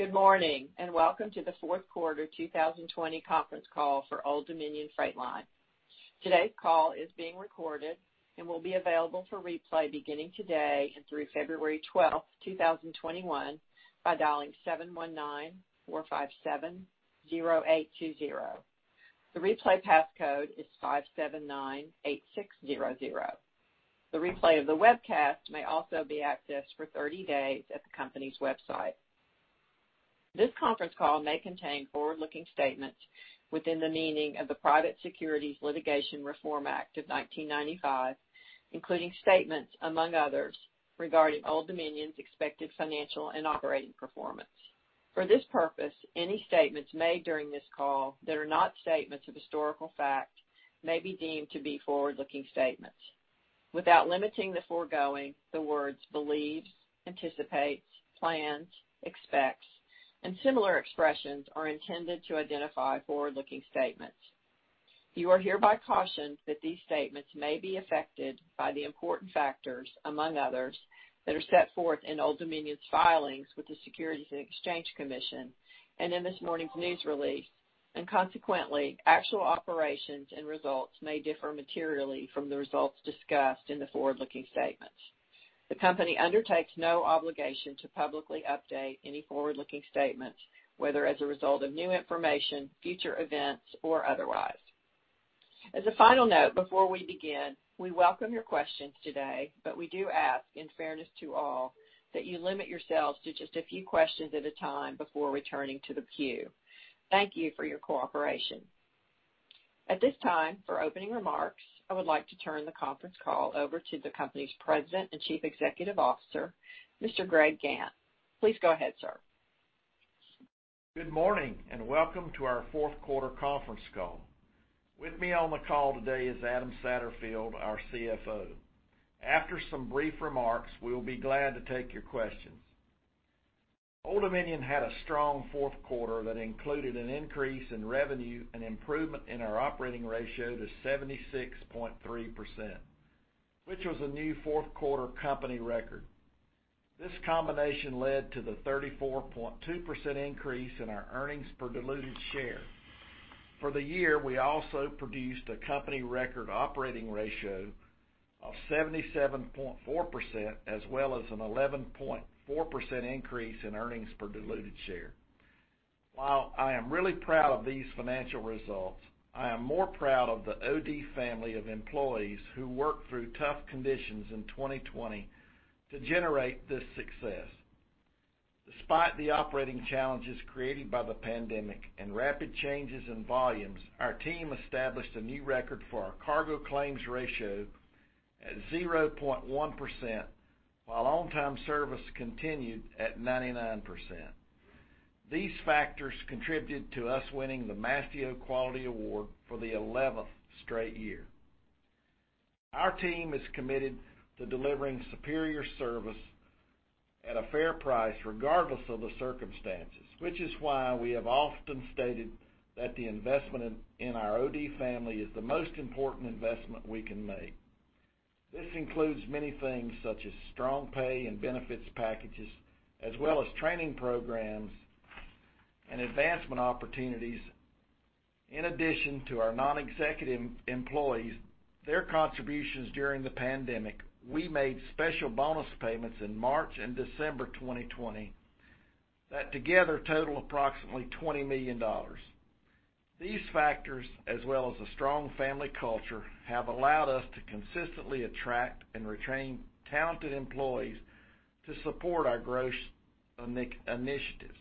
Good morning, welcome to the fourth quarter 2020 conference call for Old Dominion Freight Line. Today's call is being recorded and will be available for replay beginning today and through February 12, 2021 by dialing 719-457-0820. The replay passcode is 5798600. The replay of the webcast may also be accessed for 30 days at the company's website. This conference call may contain forward-looking statements within the meaning of the Private Securities Litigation Reform Act of 1995, including statements, among others, regarding Old Dominion's expected financial and operating performance. For this purpose, any statements made during this call that are not statements of historical fact may be deemed to be forward-looking statements. Without limiting the foregoing, the words believes, anticipates, plans, expects, and similar expressions are intended to identify forward-looking statements. You are hereby cautioned that these statements may be affected by the important factors, among others, that are set forth in Old Dominion's filings with the Securities and Exchange Commission and in this morning's news release. Consequently, actual operations and results may differ materially from the results discussed in the forward-looking statements. The company undertakes no obligation to publicly update any forward-looking statements, whether as a result of new information, future events, or otherwise. As a final note, before we begin, we welcome your questions today, but we do ask, in fairness to all, that you limit yourselves to just a few questions at a time before returning to the queue. Thank you for your cooperation. At this time, for opening remarks, I would like to turn the conference call over to the company's President and Chief Executive Officer, Mr. Greg Gantt. Please go ahead, sir. Good morning, welcome to our fourth quarter conference call. With me on the call today is Adam Satterfield, our CFO. After some brief remarks, we'll be glad to take your questions. Old Dominion had a strong fourth quarter that included an increase in revenue and improvement in our operating ratio to 76.3%, which was a new fourth quarter company record. This combination led to the 34.2% increase in our earnings per diluted share. For the year, we also produced a company record operating ratio of 77.4%, as well as an 11.4% increase in earnings per diluted share. While I am really proud of these financial results, I am more proud of the OD family of employees who worked through tough conditions in 2020 to generate this success. Despite the operating challenges created by the pandemic and rapid changes in volumes, our team established a new record for our cargo claims ratio at 0.1%, while on-time service continued at 99%. These factors contributed to us winning the Mastio Quality Award for the 11th straight year. Our team is committed to delivering superior service at a fair price regardless of the circumstances, which is why we have often stated that the investment in our OD family is the most important investment we can make. This includes many things such as strong pay and benefits packages, as well as training programs and advancement opportunities. In addition to our non-executive employees, their contributions during the pandemic, we made special bonus payments in March and December 2020 that together total approximately $20 million. These factors, as well as a strong family culture, have allowed us to consistently attract and retain talented employees to support our growth initiatives.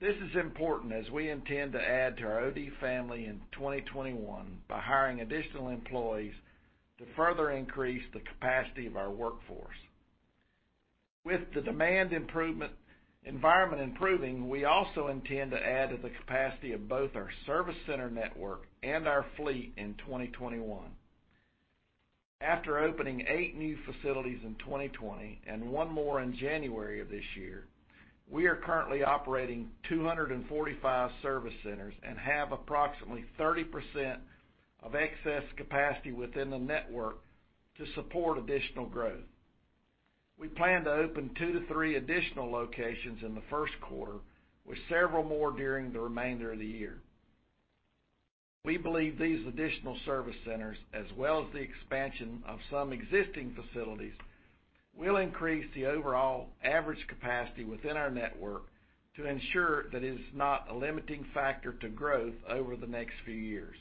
This is important as we intend to add to our OD family in 2021 by hiring additional employees to further increase the capacity of our workforce. With the demand environment improving, we also intend to add to the capacity of both our service center network and our fleet in 2021. After opening eight new facilities in 2020 and one more in January of this year, we are currently operating 245 service centers and have approximately 30% of excess capacity within the network to support additional growth. We plan to open two-three additional locations in the first quarter, with several more during the remainder of the year. We believe these additional service centers, as well as the expansion of some existing facilities, will increase the overall average capacity within our network to ensure that it is not a limiting factor to growth over the next few years.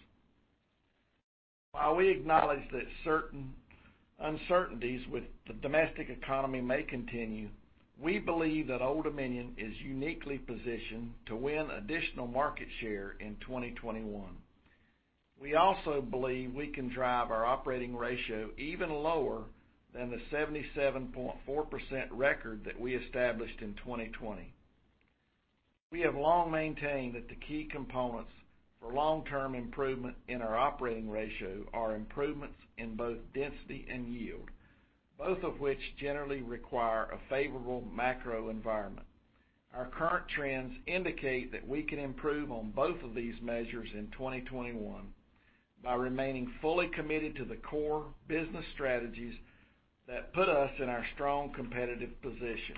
While we acknowledge that certain uncertainties with the domestic economy may continue, we believe that Old Dominion is uniquely positioned to win additional market share in 2021. We also believe we can drive our operating ratio even lower than the 77.4% record that we established in 2020. We have long maintained that the key components for long-term improvement in our operating ratio are improvements in both density and yield, both of which generally require a favorable macro environment. Our current trends indicate that we can improve on both of these measures in 2021. By remaining fully committed to the core business strategies that put us in our strong competitive position.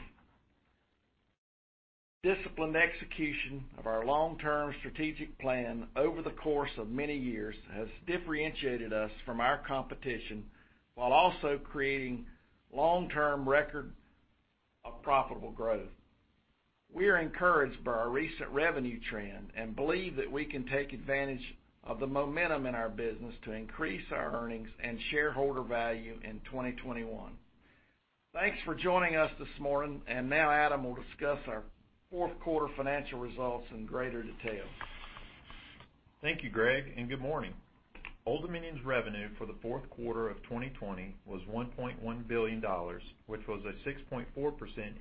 Disciplined execution of our long-term strategic plan over the course of many years has differentiated us from our competition while also creating long-term record of profitable growth. We are encouraged by our recent revenue trend and believe that we can take advantage of the momentum in our business to increase our earnings and shareholder value in 2021. Thanks for joining us this morning, and now Adam will discuss our fourth quarter financial results in greater detail. Thank you, Greg, and good morning. Old Dominion's revenue for the fourth quarter of 2020 was $1.1 billion, which was a 6.4%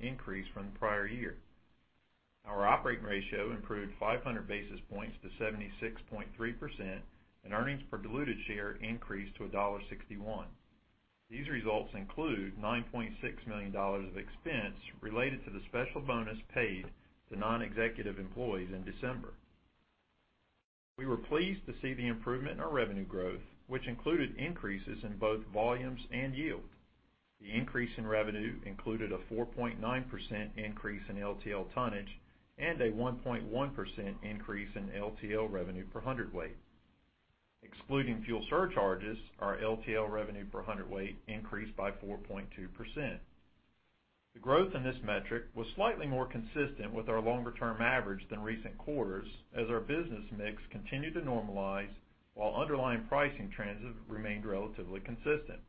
increase from the prior year. Our operating ratio improved 500 basis points to 76.3%, and earnings per diluted share increased to $1.61. These results include $9.6 million of expense related to the special bonus paid to non-executive employees in December. We were pleased to see the improvement in our revenue growth, which included increases in both volumes and yield. The increase in revenue included a 4.9% increase in LTL tonnage and a 1.1% increase in LTL revenue per hundredweight. Excluding fuel surcharges, our LTL revenue per hundredweight increased by 4.2%. The growth in this metric was slightly more consistent with our longer-term average than recent quarters as our business mix continued to normalize while underlying pricing trends have remained relatively consistent.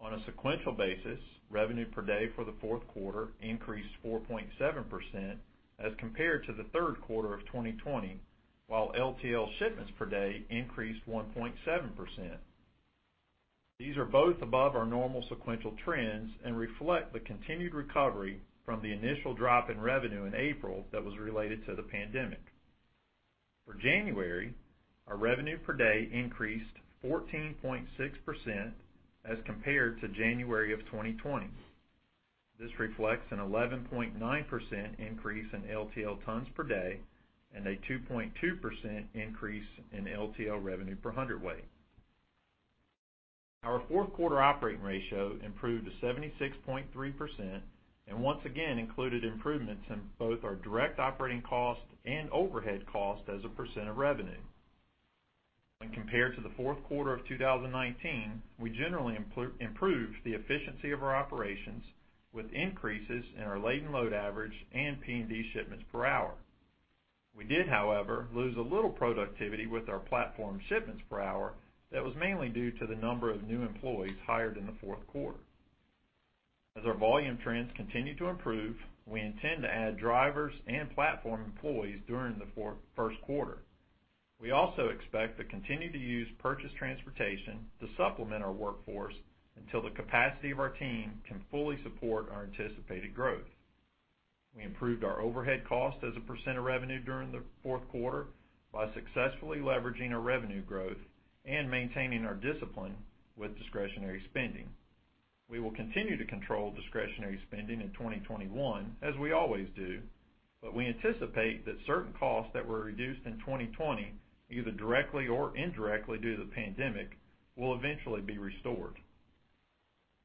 On a sequential basis, revenue per day for the fourth quarter increased 4.7% as compared to the third quarter of 2020, while LTL shipments per day increased 1.7%. These are both above our normal sequential trends and reflect the continued recovery from the initial drop in revenue in April that was related to the pandemic. For January, our revenue per day increased 14.6% as compared to January of 2020. This reflects an 11.9% increase in LTL tons per day and a 2.2% increase in LTL revenue per hundredweight. Our fourth quarter operating ratio improved to 76.3% and once again included improvements in both our direct operating cost and overhead cost as a percent of revenue. When compared to the fourth quarter of 2019, we generally improved the efficiency of our operations with increases in our linehaul load average and P&D shipments per hour. We did, however, lose a little productivity with our platform shipments per hour that was mainly due to the number of new employees hired in the fourth quarter. As our volume trends continue to improve, we intend to add drivers and platform employees during the first quarter. We also expect to continue to use purchased transportation to supplement our workforce until the capacity of our team can fully support our anticipated growth. We improved our overhead cost as a percent of revenue during the fourth quarter by successfully leveraging our revenue growth and maintaining our discipline with discretionary spending. We will continue to control discretionary spending in 2021, as we always do, but we anticipate that certain costs that were reduced in 2020, either directly or indirectly due to the pandemic, will eventually be restored.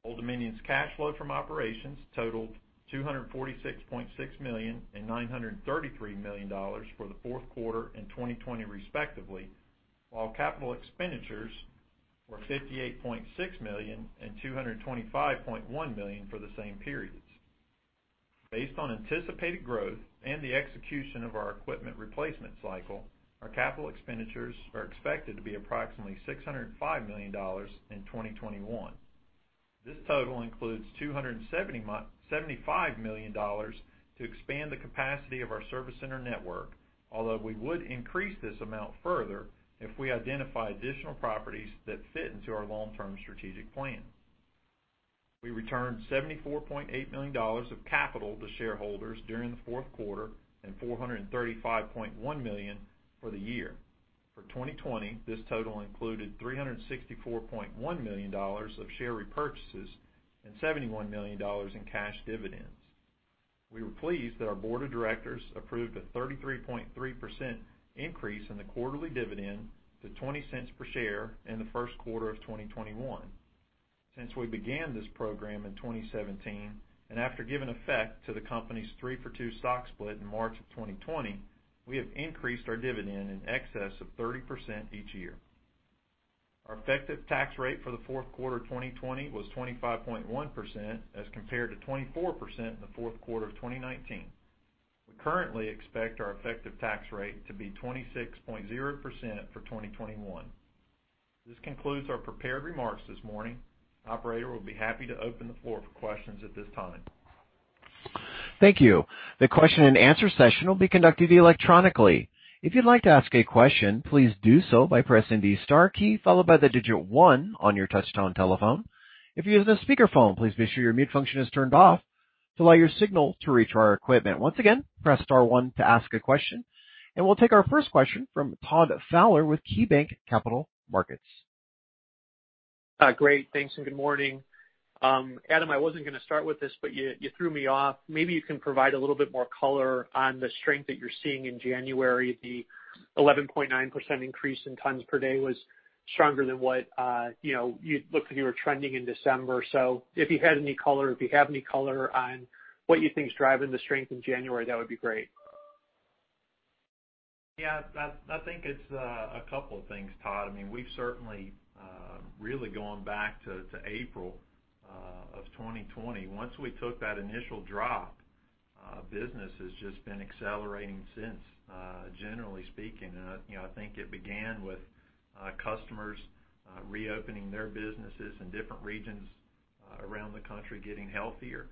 Old Dominion's cash flow from operations totaled $246.6 million and $933 million for the fourth quarter in 2020 respectively, while CapEx were $58.6 million and $225.1 million for the same periods. Based on anticipated growth and the execution of our equipment replacement cycle, our CapEx are expected to be approximately $605 million in 2021. This total includes $275 million to expand the capacity of our service center network, although we would increase this amount further if we identify additional properties that fit into our long-term strategic plan. We returned $74.8 million of capital to shareholders during the fourth quarter and $435.1 million for the year. For 2020, this total included $364.1 million of share repurchases and $71 million in cash dividends. We were pleased that our board of directors approved a 33.3% increase in the quarterly dividend to $0.20 per share in the first quarter of 2021. Since we began this program in 2017, and after giving effect to the company's three-for-two stock split in March of 2020, we have increased our dividend in excess of 30% each year. Our effective tax rate for the fourth quarter of 2020 was 25.1% as compared to 24% in the fourth quarter of 2019. We currently expect our effective tax rate to be 26.0% for 2021. This concludes our prepared remarks this morning. Operator, we'll be happy to open the floor for questions at this time. Thank you. The question and answer session will be conducted electronically. If you'd like to ask a question, please do so by pressing the star key followed by the digit one on your touch-tone telephone. If you're using a speakerphone, please make sure your mute function is turned off to allow your signal to reach our equipment. Once again, press star one to ask a question. We'll take our first question from Todd Fowler with KeyBanc Capital Markets. Great. Thanks, and good morning. Adam, I wasn't gonna start with this, but you threw me off. Maybe you can provide a little bit more color on the strength that you're seeing in January. The 11.9% increase in tons per day was stronger than what, you know, you looked like you were trending in December. If you had any color, if you have any color on what you think is driving the strength in January, that would be great. Yeah. I think it's a couple of things, Todd. I mean, we've certainly really gone back to April of 2020. Once we took that initial drop, business has just been accelerating since generally speaking. I, you know, I think it began with customers reopening their businesses in different regions around the country getting healthier.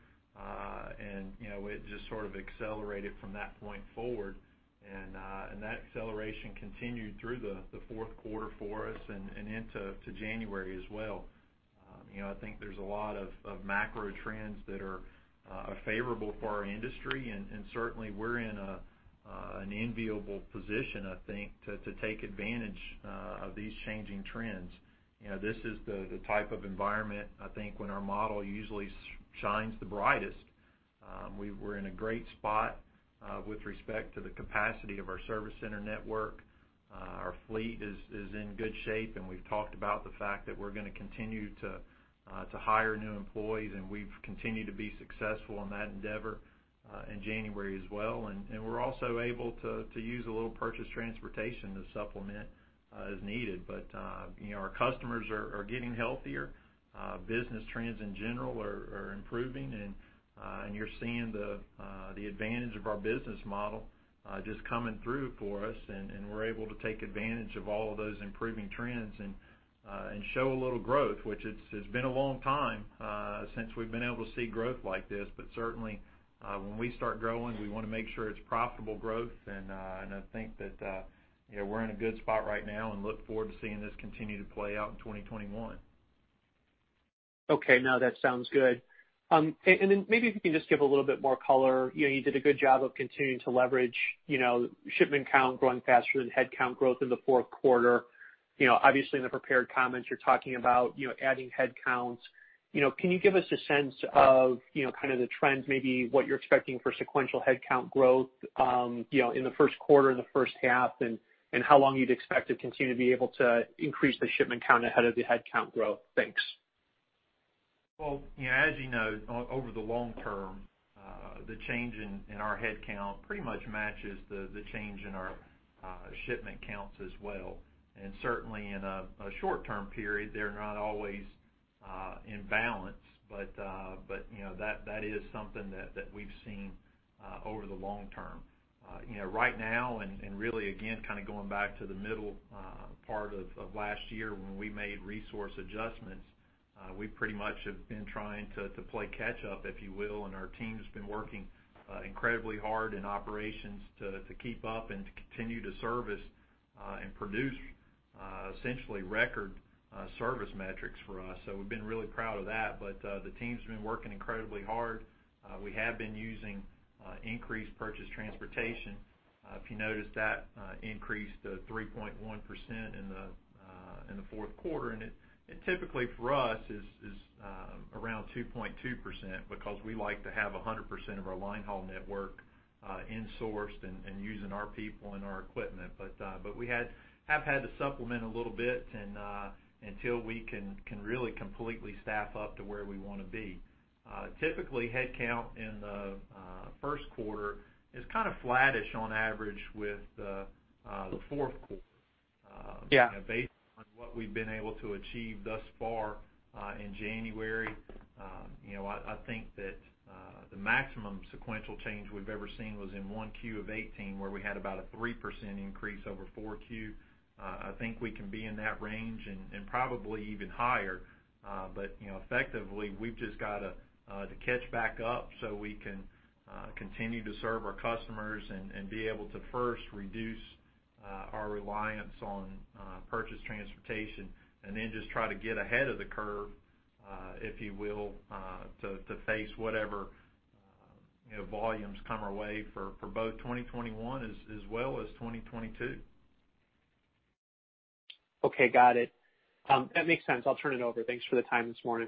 You know, it just sort of accelerated from that point forward. That acceleration continued through the fourth quarter for us and into January as well. You know, I think there's a lot of macro trends that are favorable for our industry, and certainly we're in an enviable position, I think, to take advantage of these changing trends. You know, this is the type of environment, I think, when our model usually shines the brightest. We're in a great spot with respect to the capacity of our service center network. Our fleet is in good shape, and we've talked about the fact that we're gonna continue to hire new employees, and we've continued to be successful in that endeavor in January as well. We're also able to use a little purchased transportation to supplement as needed. You know, our customers are getting healthier. Business trends in general are improving, and you're seeing the advantage of our business model just coming through for us. We're able to take advantage of all of those improving trends and show a little growth, which it's been a long time since we've been able to see growth like this. Certainly, when we start growing, we wanna make sure it's profitable growth. I think that, you know, we're in a good spot right now and look forward to seeing this continue to play out in 2021. Okay. No, that sounds good. Then maybe if you can just give a little bit more color. You know, you did a good job of continuing to leverage, you know, shipment count growing faster than headcount growth in the fourth quarter. You know, obviously, in the prepared comments, you're talking about, you know, adding headcounts. You know, can you give us a sense of, you know, kind of the trends, maybe what you're expecting for sequential headcount growth, you know, in the first quarter or the first half, and how long you'd expect to continue to be able to increase the shipment count ahead of the headcount growth? Thanks. You know, as you know, over the long term, the change in our headcount pretty much matches the change in our shipment counts as well. Certainly, in a short-term period, they're not always in balance. You know, that is something that we've seen over the long term. You know, right now, and really again, kinda going back to the middle part of last year when we made resource adjustments, we pretty much have been trying to play catch up, if you will, and our team has been working incredibly hard in operations to keep up and to continue to service and produce essentially record service metrics for us. We've been really proud of that. The team's been working incredibly hard. We have been using increased purchased transportation. If you noticed that increase to 3.1% in the fourth quarter. It typically for us is around 2.2% because we like to have 100% of our line haul network insourced and using our people and our equipment. We have had to supplement a little bit until we can really completely staff up to where we wanna be. Typically, headcount in the first quarter is kind of flattish on average with the fourth quarter. Yeah. You know, based on what we've been able to achieve thus far, in January, you know, I think that the maximum sequential change we've ever seen was in 1Q of 2018, where we had about a 3% increase over 4Q. I think we can be in that range and probably even higher. You know, effectively, we've just got to catch back up so we can continue to serve our customers and be able to first reduce our reliance on purchased transportation. Just try to get ahead of the curve, if you will, to face whatever, you know, volumes come our way for both 2021 as well as 2022. Okay. Got it. That makes sense. I'll turn it over. Thanks for the time this morning.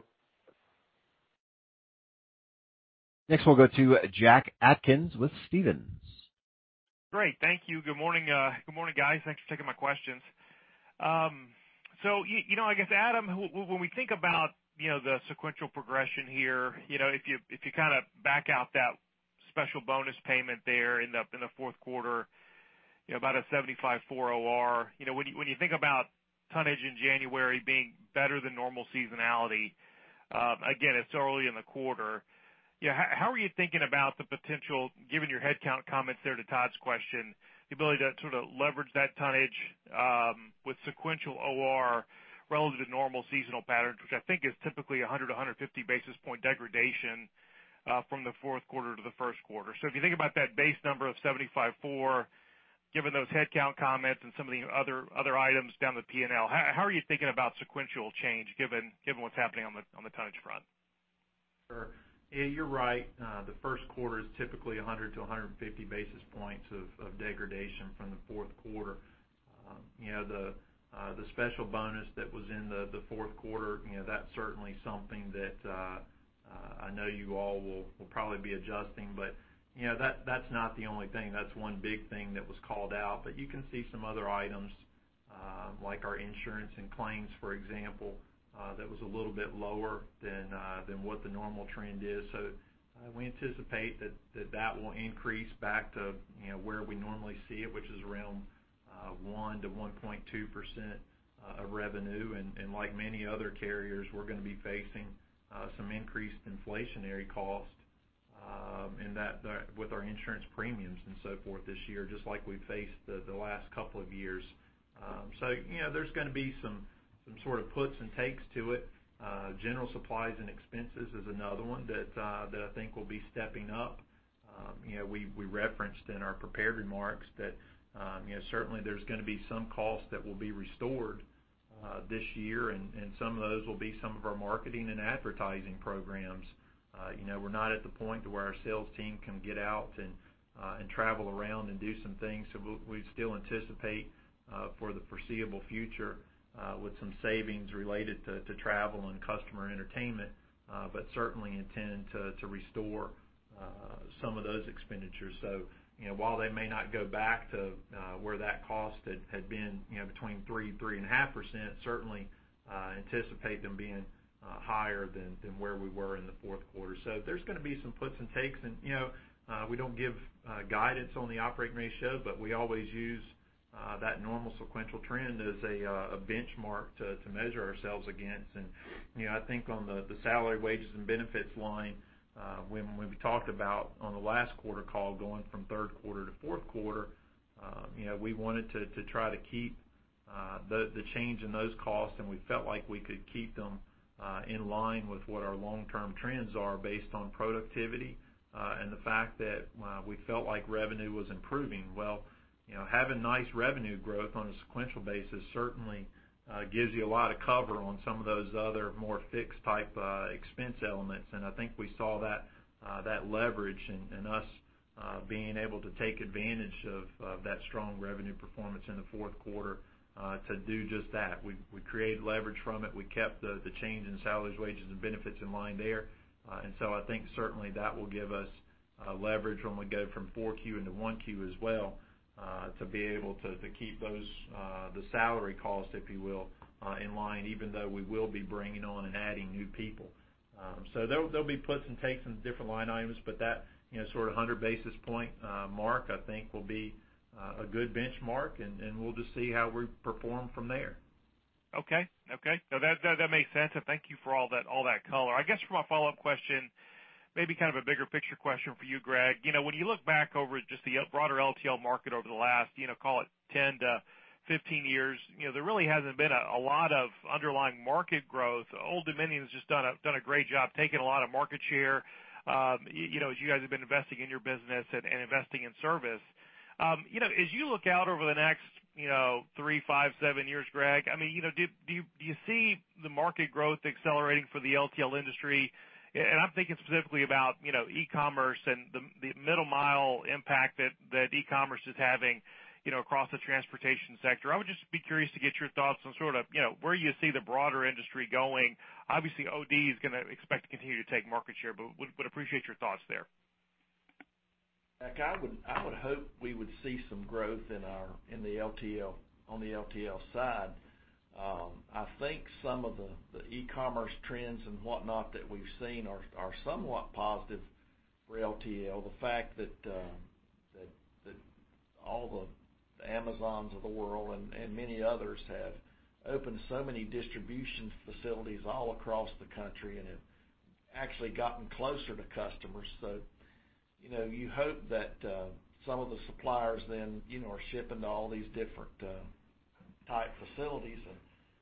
Next, we'll go to Jack Atkins with Stephens. Great. Thank you. Good morning, Good morning, guys. Thanks for taking my questions. You know, I guess, Adam, when we think about, you know, the sequential progression here, you know, if you kinda back out that special bonus payment there in the fourth quarter, you know, about a 75.4 OR, you know, when you, when you think about tonnage in January being better than normal seasonality, again, it's early in the quarter. You know, how are you thinking about the potential, given your headcount comments there to Todd's question, the ability to sort of leverage that tonnage with sequential OR relative to normal seasonal patterns, which I think is typically a 100-50 basis point degradation from the fourth quarter to the first quarter. If you think about that base number of 75.4, given those headcount comments and some of the other items down the P&L, how are you thinking about sequential change given what's happening on the tonnage front? Sure. Yeah, you're right. The first quarter is typically 100-50 basis points of degradation from the fourth quarter. You know, the special bonus that was in the fourth quarter, you know, that's certainly something that I know you all will probably be adjusting. You know, that's not the only thing. That's one big thing that was called out. You can see some other items, like our insurance and claims, for example, that was a little bit lower than what the normal trend is. We anticipate that will increase back to, you know, where we normally see it, which is around 1% to 1.2% of revenue. Like many other carriers, we're gonna be facing some increased inflationary costs with our insurance premiums and so forth this year, just like we've faced the last couple of years. You know, there's gonna be some sort of puts and takes to it. General supplies and expenses is another one that I think will be stepping up. You know, we referenced in our prepared remarks that, you know, certainly there's gonna be some costs that will be restored this year, and some of those will be some of our marketing and advertising programs. You know, we're not at the point to where our sales team can get out and travel around and do some things. We still anticipate for the foreseeable future, with some savings related to travel and customer entertainment, but certainly intend to restore some of those expenditures. You know, while they may not go back to where that cost had been, you know, between 3.5%, certainly anticipate them being higher than where we were in the fourth quarter. There's gonna be some puts and takes. You know, we don't give guidance on the operating ratio, but we always use that normal sequential trend as a benchmark to measure ourselves against. You know, I think on the salary, wages, and benefits line, when we talked about on the last quarter call going from third quarter to fourth quarter, you know, we wanted to try to keep the change in those costs, and we felt like we could keep them in line with what our long-term trends are based on productivity, and the fact that we felt like revenue was improving. You know, having nice revenue growth on a sequential basis certainly gives you a lot of cover on some of those other more fixed type expense elements. I think we saw that leverage and us being able to take advantage of that strong revenue performance in the fourth quarter to do just that. We created leverage from it. We kept the change in salaries, wages, and benefits in line there. I think certainly that will give us leverage when we go from 4Q into 1Q as well, to be able to keep those the salary costs, if you will, in line, even though we will be bringing on and adding new people. There'll be puts and takes in different line items, but that, you know, sort of 100 basis point mark, I think will be a good benchmark, and we'll just see how we perform from there. Okay. Okay. No, that makes sense. Thank you for all that, all that color. I guess for my follow-up question, maybe kind of a bigger picture question for you, Greg. You know, when you look back over just the broader LTL market over the last, you know, call it 10-15 years, you know, there really hasn't been a lot of underlying market growth. Old Dominion's just done a great job taking a lot of market share, you know, as you guys have been investing in your business and investing in service. You know, as you look out over the next, you know, three, five, seven years, Greg, I mean, you know, do you see the market growth accelerating for the LTL industry? I'm thinking specifically about, you know, e-commerce and the middle mile impact that e-commerce is having, you know, across the transportation sector. I would just be curious to get your thoughts on sort of, you know, where you see the broader industry going. Obviously, OD is gonna expect to continue to take market share, but would appreciate your thoughts there. Like, I would hope we would see some growth in our, in the LTL, on the LTL side. I think some of the e-commerce trends and whatnot that we've seen are somewhat positive for LTL. The fact that all the Amazons of the world and many others have opened so many distribution facilities all across the country and have actually gotten closer to customers. You know, you hope that some of the suppliers then, you know, are shipping to all these different type facilities and,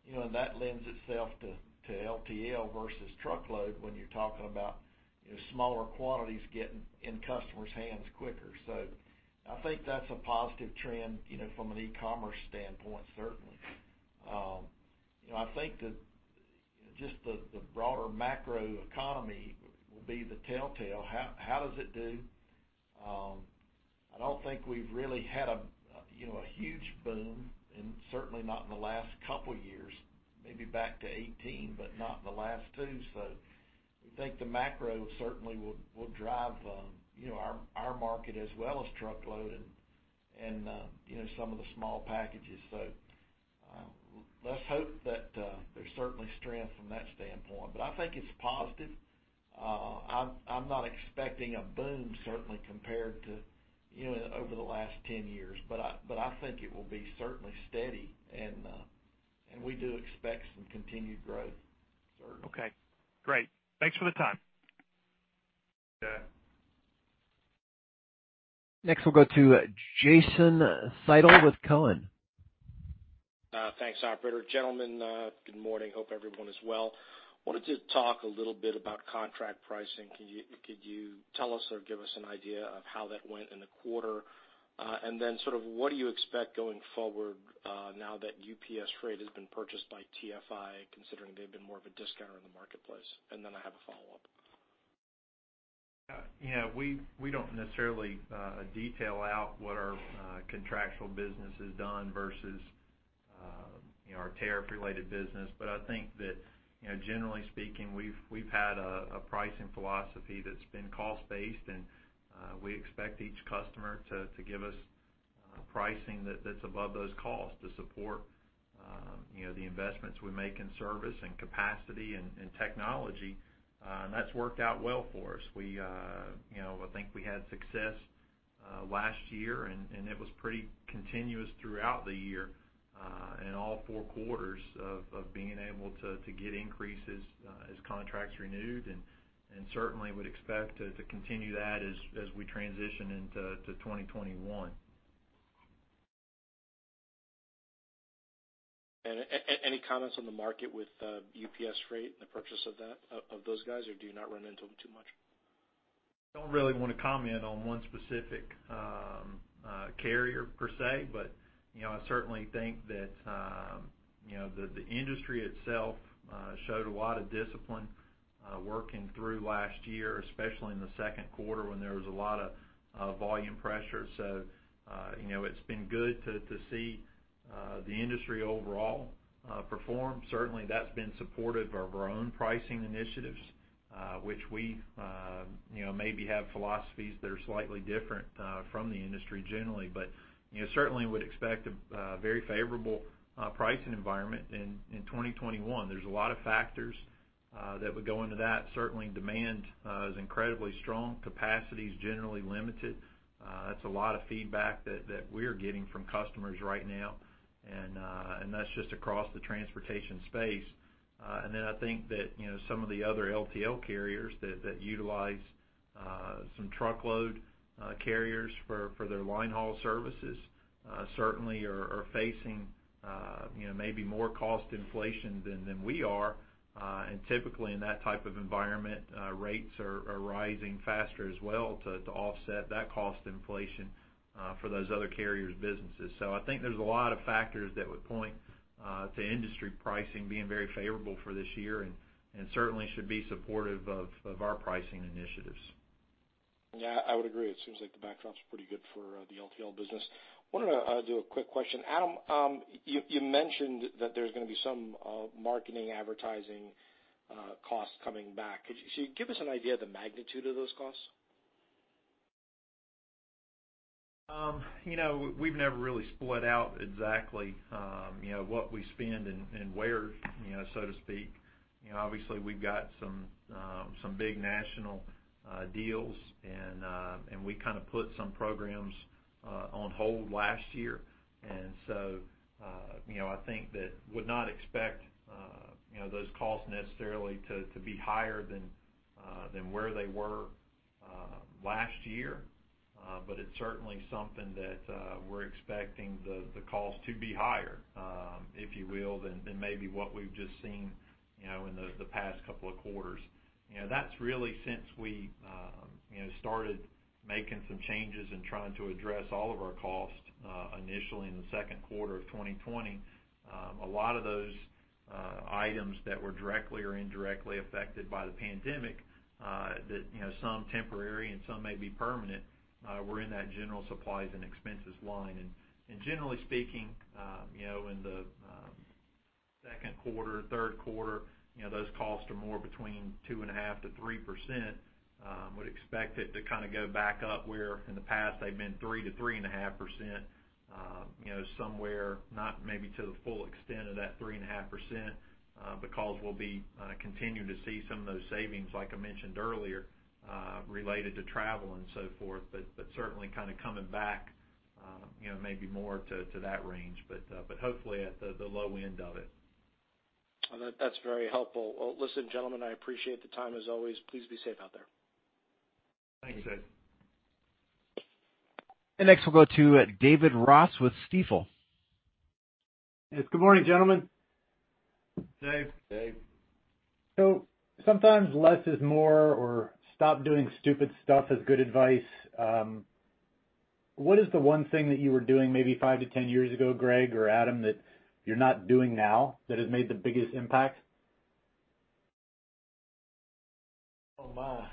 you know, that lends itself to LTL versus truckload when you're talking about, you know, smaller quantities getting in customers' hands quicker. I think that's a positive trend, you know, from an e-commerce standpoint, certainly. You know, I think that just the broader macro economy will be the tell-tale. How, how does it do? I don't think we've really had a, you know, a huge boom, and certainly not in the last couple years, maybe back to 2018, but not in the last two. We think the macro certainly will drive, you know, our market as well as truckload and, you know, some of the small packages. Let's hope that there's certainly strength from that standpoint. I think it's positive. I'm not expecting a boom, certainly compared to, you know, over the last 10 years, but I think it will be certainly steady and we do expect some continued growth, certainly. Okay, great. Thanks for the time. Yeah. Next, we'll go to Jason Seidl with Cowen. Thanks, operator. Gentlemen, good morning. Hope everyone is well. Wanted to talk a little bit about contract pricing. Could you tell us or give us an idea of how that went in the quarter? What do you expect going forward, now that UPS Freight has been purchased by TFI, considering they've been more of a discounter in the marketplace? I have a one follow-up. You know, we don't necessarily detail out what our contractual business has done versus, you know, our tariff-related business. I think that, you know, generally speaking, we've had a pricing philosophy that's been cost-based, and we expect each customer to give us pricing that's above those costs to support, you know, the investments we make in service and capacity and technology. That's worked out well for us. We, you know, I think we had success last year, and it was pretty continuous throughout the year, in all four quarters of being able to get increases as contracts renewed and certainly would expect to continue that as we transition into 2021. Any comments on the market with UPS Freight and the purchase of those guys, or do you not run into them too much? Don't really wanna comment on one specific carrier per se, but, you know, I certainly think that, you know, the industry itself showed a lot of discipline working through last year, especially in the second quarter when there was a lot of volume pressure. You know, it's been good to see the industry overall perform. Certainly, that's been supportive of our own pricing initiatives, which we, you know, maybe have philosophies that are slightly different from the industry generally. You know, certainly would expect a very favorable pricing environment in 2021. There's a lot of factors that would go into that. Certainly, demand is incredibly strong. Capacity is generally limited. That's a lot of feedback that we're getting from customers right now, and that's just across the transportation space. I think that, you know, some of the other LTL carriers that utilize some truckload carriers for their linehaul services, certainly are facing, you know, maybe more cost inflation than we are. Typically, in that type of environment, rates are rising faster as well to offset that cost inflation for those other carriers' businesses. I think there's a lot of factors that would point to industry pricing being very favorable for this year and certainly should be supportive of our pricing initiatives. Yeah, I would agree. It seems like the backdrop's pretty good for the LTL business. Wanted to do a quick question. Adam, you mentioned that there's gonna be some marketing advertising costs coming back. Give us an idea of the magnitude of those costs? You know, we've never really split out exactly, you know, what we spend and where, you know, so to speak. You know, obviously, we've got some big national deals and we kinda put some programs on hold last year. You know, I think that would not expect those costs necessarily to be higher than where they were last year. It's certainly something that we're expecting the cost to be higher, if you will, than maybe what we've just seen, you know, in the past couple of quarters. You know, that's really since we, you know, started making some changes and trying to address all of our costs initially in the second quarter of 2020. A lot of those items that were directly or indirectly affected by the pandemic, that, you know, some temporary and some may be permanent, were in that general supplies and expenses line. Generally speaking, you know, in the second quarter, third quarter, you know, those costs are more between 2.5%-3%. Would expect it to kinda go back up where in the past they've been 3%-3.5%, you know, somewhere not maybe to the full extent of that 3.5%, because we'll be continuing to see some of those savings, like I mentioned earlier, related to travel and so forth. Certainly kind of coming back, you know, maybe more to that range, but hopefully at the low end of it. Well, that's very helpful. Well, listen, gentlemen, I appreciate the time as always. Please be safe out there. Thanks, Jason. Next we'll go to David Ross with Stifel. Yes. Good morning, gentlemen. Dave. Dave. Sometimes less is more or stop doing stupid stuff is good advice. What is the one thing that you were doing maybe 5-10 years ago, Greg or Adam, that you're not doing now that has made the biggest impact? Oh my.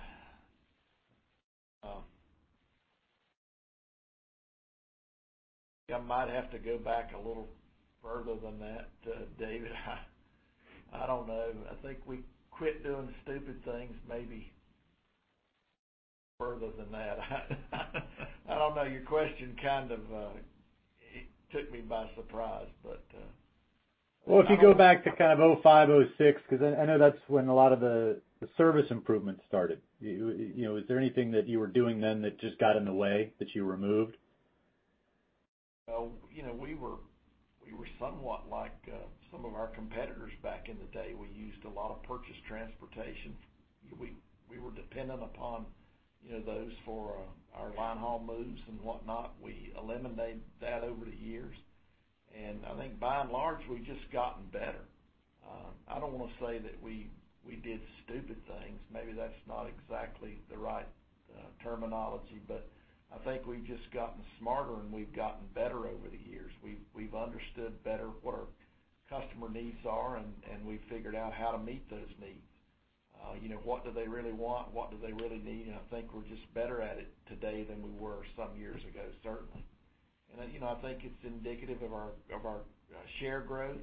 Oh. I might have to go back a little further than that, David. I don't know. I think we quit doing stupid things maybe further than that. I don't know. Your question kind of, it took me by surprise. If you go back to kind of 2005, 2006, because I know that's when a lot of the service improvements started. You know, is there anything that you were doing then that just got in the way that you removed? Well, you know, we were somewhat like some of our competitors back in the day. We used a lot of purchased transportation. We were dependent upon, you know, those for our linehaul moves and whatnot. We eliminated that over the years. I think by and large, we've just gotten better. I don't wanna say that we did stupid things. Maybe that's not exactly the right terminology, but I think we've just gotten smarter, and we've gotten better over the years. We've understood better what our customer needs are and we've figured out how to meet those needs. You know, what do they really want? What do they really need? I think we're just better at it today than we were some years ago, certainly. You know, I think it's indicative of our share growth,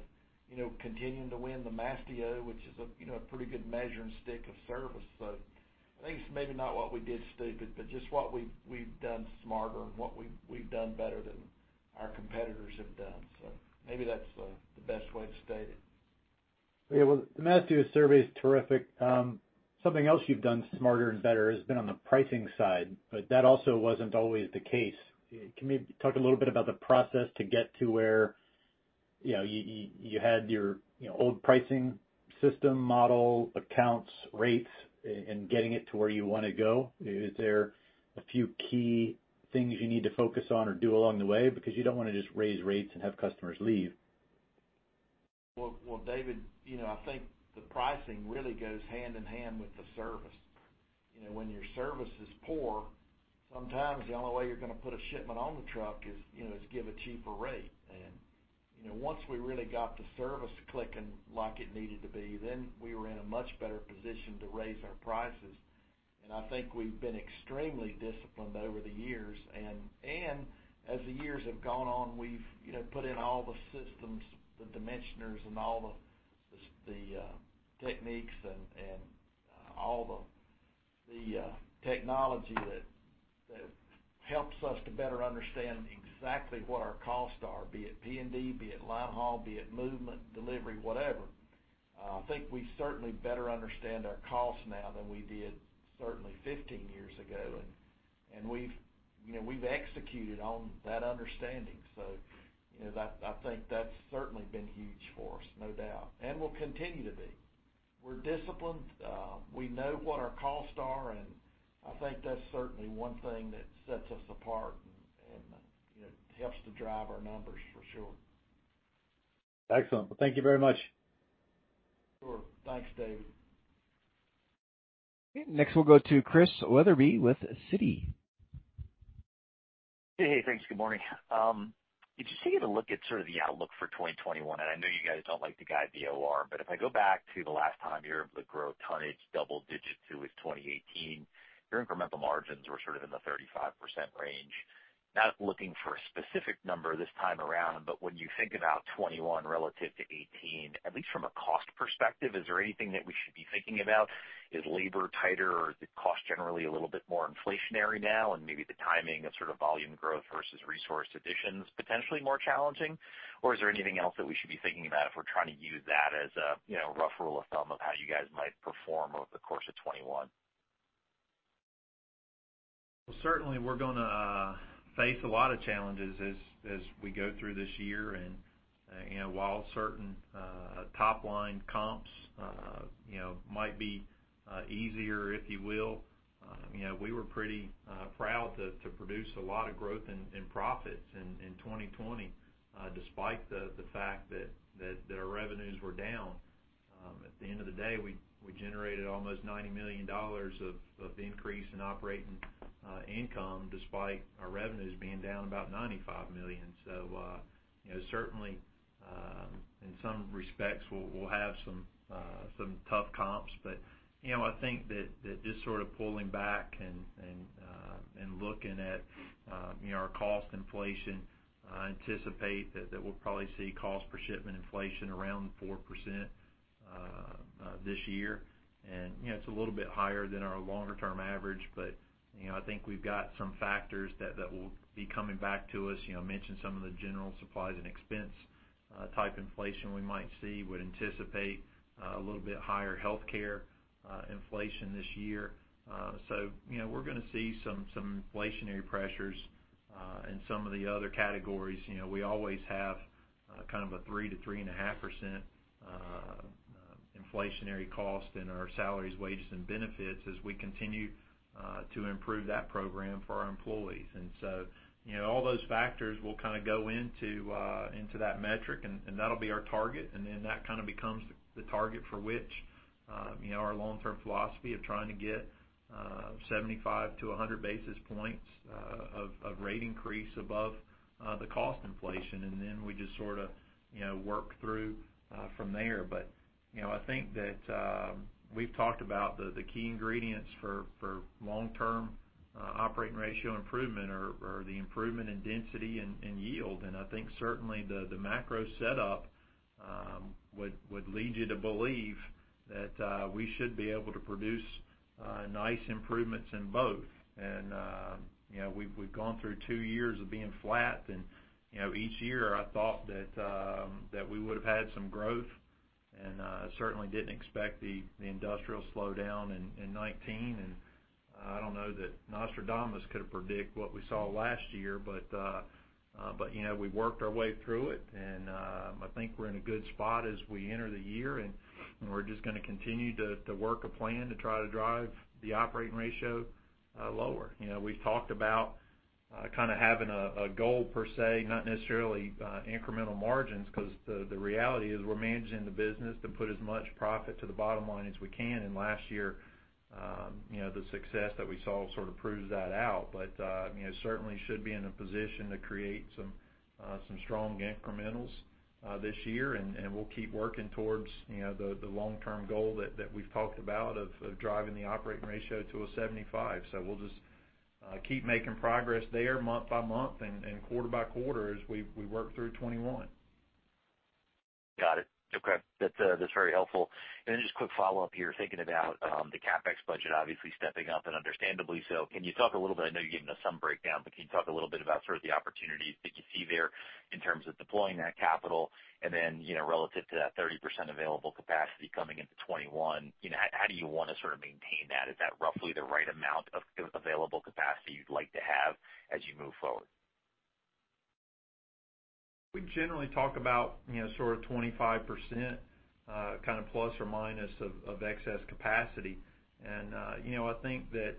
you know, continuing to win the Mastio, which is a, you know, a pretty good measuring stick of service. I think it's maybe not what we did stupid, but just what we've done smarter and what we've done better than our competitors have done. Maybe that's the best way to state it. Yeah. Well, the Mastio survey is terrific. That also wasn't always the case. Can you talk a little bit about the process to get to where, you know, you had your, you know, old pricing system model, accounts, rates, and getting it to where you want to go? Is there a few key things you need to focus on or do along the way? You don't want to just raise rates and have customers leave. Well, David, you know, I think the pricing really goes hand in hand with the service. You know, when your service is poor, sometimes the only way you're going to put a shipment on the truck is, you know, is give a cheaper rate. You know, once we really got the service clicking like it needed to be, then we were in a much better position to raise our prices. I think we've been extremely disciplined over the years. As the years have gone on, we've, you know, put in all the systems, the dimensioners and all the techniques and all the technology that helps us to better understand exactly what our costs are, be it P&D, be it line haul, be it movement, delivery, whatever. I think we certainly better understand our costs now than we did certainly 15 years ago. We've, you know, we've executed on that understanding. you know, I think that's certainly been huge for us, no doubt, and will continue to be. We're disciplined. We know what our costs are, and I think that's certainly one thing that sets us apart and, you know, helps to drive our numbers for sure. Excellent. Thank you very much. Sure. Thanks, David. Okay, next we'll go to Chris Wetherbee with Citi. Hey, thanks. Good morning. Did you take a look at sort of the outlook for 2021? I know you guys don't like to guide the OR, but if I go back to the last time you were able to grow tonnage double digits, it was 2018. Your incremental margins were sort of in the 35% range. Not looking for a specific number this time around, but when you think about 2021 relative to 2018, at least from a cost perspective, is there anything that we should be thinking about? Is labor tighter? Is the cost generally a little bit more inflationary now and maybe the timing of sort of volume growth versus resource additions potentially more challenging? Is there anything else that we should be thinking about if we're trying to use that as a, you know, rough rule of thumb of how you guys might perform over the course of 2021? Well, certainly we're gonna face a lot of challenges as we go through this year. You know, while certain top line comps, you know, might be easier, if you will, you know, we were pretty proud to produce a lot of growth in profits in 2020, despite the fact that our revenues were down. At the end of the day, we generated almost $90 million of increase in operating income despite our revenues being down about $95 million. You know, certainly, in some respects, we'll have some tough comps. You know, I think that just sort of pulling back and looking at, you know, our cost inflation, I anticipate that we'll probably see cost per shipment inflation around 4% this year. You know, it's a little bit higher than our longer term average, but, you know, I think we've got some factors that will be coming back to us. You know, I mentioned some of the general supplies and expense type inflation we might see. Would anticipate a little bit higher healthcare inflation this year. You know, we're gonna see some inflationary pressures in some of the other categories. You know, we always have, kind of a 3% -3.5% inflationary cost in our salaries, wages, and benefits as we continue to improve that program for our employees. You know, all those factors will kind of go into that metric, and that'll be our target. That kind of becomes the target for which, you know, our long-term philosophy of trying to get 75-100 basis points of rate increase above the cost inflation. We just sort of, you know, work through from there. You know, I think that we've talked about the key ingredients for long-term operating ratio improvement are the improvement in density and yield. I think certainly the macro setup would lead you to believe that we should be able to produce nice improvements in both. You know, we've gone through two years of being flat and, you know, each year I thought that we would have had some growth and certainly didn't expect the industrial slowdown in 2019. I don't know that Nostradamus could have predict what we saw last year. You know, we worked our way through it and I think we're in a good spot as we enter the year, and we're just gonna continue to work a plan to try to drive the operating ratio lower. You know, we've talked about kinda having a goal per se, not necessarily incremental margins because the reality is we're managing the business to put as much profit to the bottom line as we can. Last year, you know, the success that we saw sort of proves that out. You know, certainly should be in a position to create some strong incrementals. This year, we'll keep working towards, you know, the long-term goal that we've talked about of driving the operating ratio to a 75. We'll just keep making progress there month by month and quarter by quarter as we work through 2021. Got it. Okay. That's, that's very helpful. Just quick follow-up here, thinking about the CapEx budget obviously stepping up and understandably so. Can you talk a little bit, I know you gave us some breakdown, but can you talk a little bit about sort of the opportunities that you see there in terms of deploying that capital? You know, relative to that 30% available capacity coming into 2021, you know, how do you wanna sort of maintain that? Is that roughly the right amount of available capacity you'd like to have as you move forward? We generally talk about, you know, sort of 25% kind of plus or minus of excess capacity. You know, I think that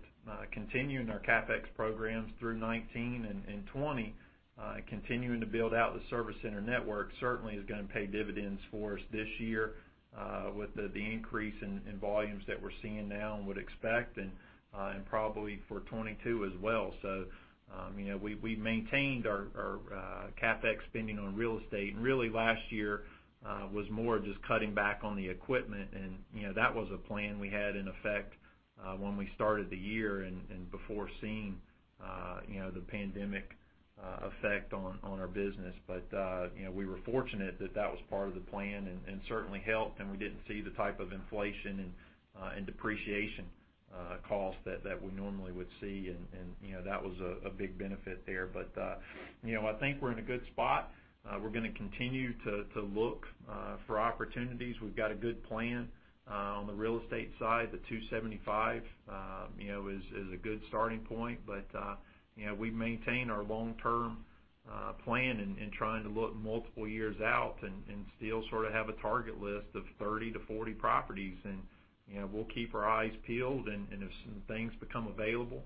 continuing our CapEx programs through 2019 and 2020, and continuing to build out the service center network certainly is gonna pay dividends for us this year, with the increase in volumes that we're seeing now and would expect, and probably for 2022 as well. You know, we maintained our CapEx spending on real estate. Really last year was more just cutting back on the equipment and, you know, that was a plan we had in effect when we started the year and before seeing, you know, the pandemic effect on our business. You know, we were fortunate that that was part of the plan and certainly helped, and we didn't see the type of inflation and depreciation cost that we normally would see and, you know, that was a big benefit there. You know, I think we're in a good spot. We're gonna continue to look for opportunities. We've got a good plan on the real estate side. The 275, you know, is a good starting point. You know, we maintain our long-term plan trying to look multiple years out and still sort of have a target list of 30-40 properties. You know, we'll keep our eyes peeled, and as some things become available,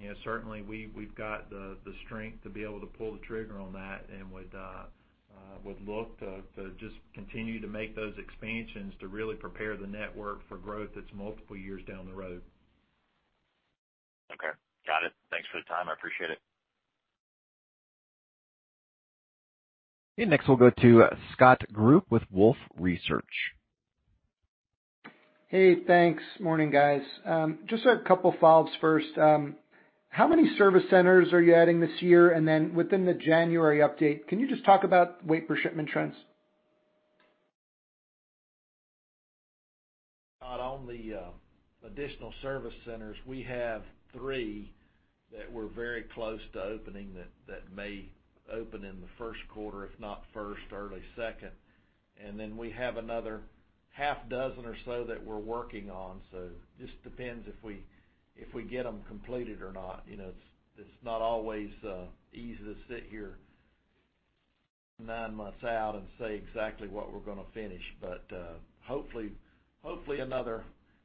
you know, certainly we've got the strength to be able to pull the trigger on that and would look to just continue to make those expansions to really prepare the network for growth that's multiple years down the road. Okay. Got it. Thanks for the time. I appreciate it. Next we'll go to Scott Group with Wolfe Research. Hey, thanks. Morning, guys. Just a couple follows first. How many service centers are you adding this year? Within the January update, can you just talk about weight per shipment trends? Scott, on the additional service centers, we have three that we're very close to opening that may open in the first quarter, if not first, early second. We have another half dozen or so that we're working on. Just depends if we, if we get them completed or not. You know, it's not always easy to sit here nine months out and say exactly what we're gonna finish. Hopefully another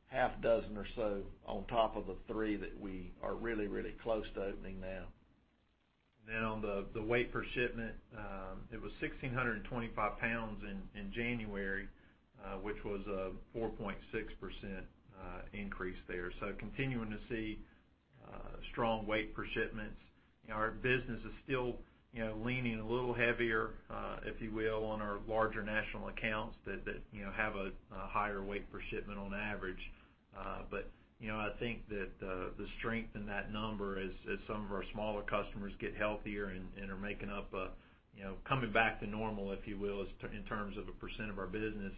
half dozen or so on top of the three that we are really, really close to opening now. On the weight per shipment, it was 1,625 pounds in January, which was a 4.6% increase there. Continuing to see strong weight per shipments. You know, our business is still, you know, leaning a little heavier, if you will, on our larger national accounts that have a higher weight per shipment on average. You know, I think that the strength in that number as some of our smaller customers get healthier and are making up a, you know, coming back to normal, if you will, in terms of a percent of our business,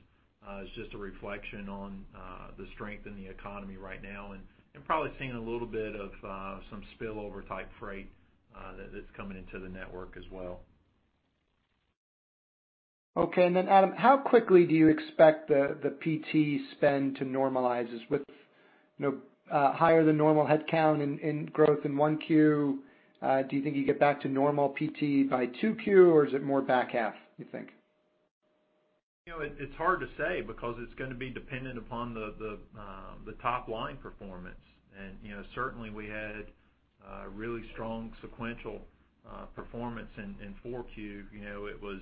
is just a reflection on the strength in the economy right now and probably seeing a little bit of some spillover type freight, that's coming into the network as well. Okay. Adam, how quickly do you expect the PT spend to normalize? As with, you know, higher than normal headcount and growth in 1Q, do you think you get back to normal PT by 2Q, or is it more back half, you think? You know, it's hard to say because it's gonna be dependent upon the top line performance. You know, certainly we had a really strong sequential performance in 4Q. You know, it was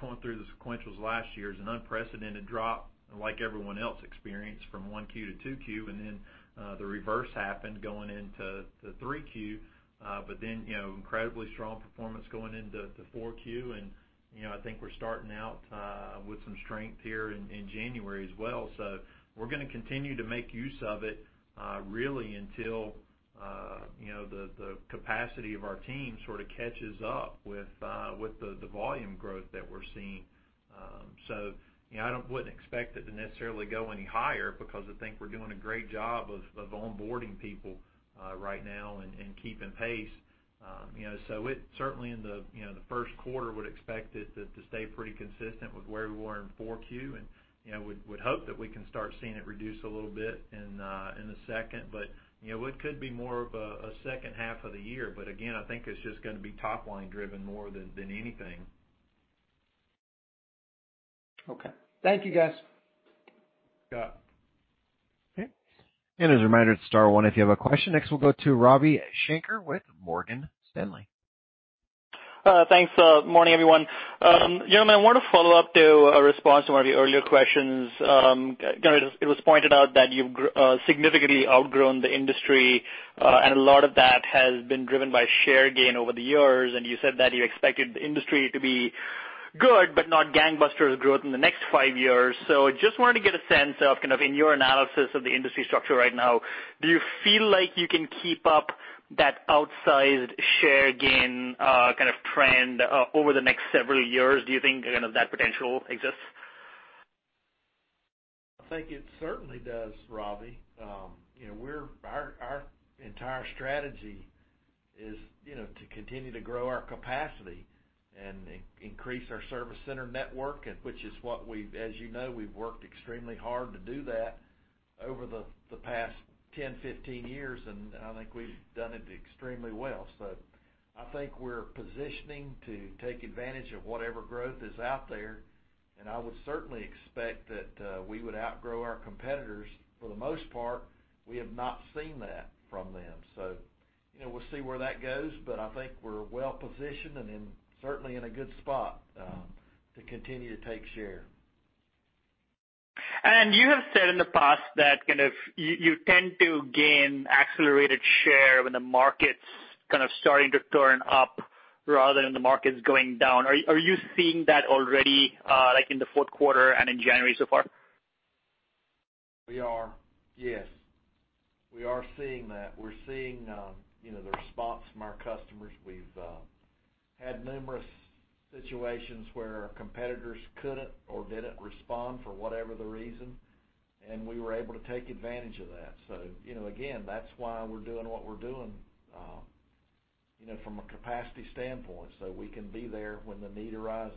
going through the sequentials last year is an unprecedented drop like everyone else experienced from 1Q-2Q. The reverse happened going into the 3Q. You know, incredibly strong performance going into the 4Q. You know, I think we're starting out with some strength here in January as well. We're gonna continue to make use of it really until, you know, the capacity of our team sort of catches up with the volume growth that we're seeing. You know, I wouldn't expect it to necessarily go any higher because I think we're doing a great job of onboarding people, right now and keeping pace. You know, it certainly in the, you know, the first quarter would expect it to stay pretty consistent with where we were in 4Q. You know, would hope that we can start seeing it reduce a little bit in the second. You know, it could be more of a second half of the year. Again, I think it's just gonna be top line driven more than anything. Okay. Thank you, guys. Yeah. Okay. As a reminder, it's star one if you have a question. Next we'll go to Ravi Shanker with Morgan Stanley. Thanks. Morning, everyone. Gentlemen, I want to follow up to a response to one of the earlier questions. You know, it was pointed out that you've significantly outgrown the industry, and a lot of that has been driven by share gain over the years, and you said that you expected the industry to be good, but not gangbuster growth in the next five years. Just wanted to get a sense of kind of in your analysis of the industry structure right now, do you feel like you can keep up that outsized share gain, kind of trend over the next several years? Do you think kind of that potential exists? I think it certainly does, Ravi. You know, our entire strategy is, you know, to continue to grow our capacity and increase our service center network, which is what as you know, we've worked extremely hard to do that over the past 10, 15 years, and I think we've done it extremely well. I think we're positioning to take advantage of whatever growth is out there, and I would certainly expect that we would outgrow our competitors. For the most part, we have not seen that from them. You know, we'll see where that goes, but I think we're well-positioned and certainly in a good spot to continue to take share. You have said in the past that kind of you tend to gain accelerated share when the market's kind of starting to turn up rather than the market's going down. Are you seeing that already, like in the fourth quarter and in January so far? We are. Yes. We are seeing that. We're seeing, you know, the response from our customers. We've had numerous situations where competitors couldn't or didn't respond for whatever the reason, and we were able to take advantage of that. You know, again, that's why we're doing what we're doing, you know, from a capacity standpoint, so we can be there when the need arises.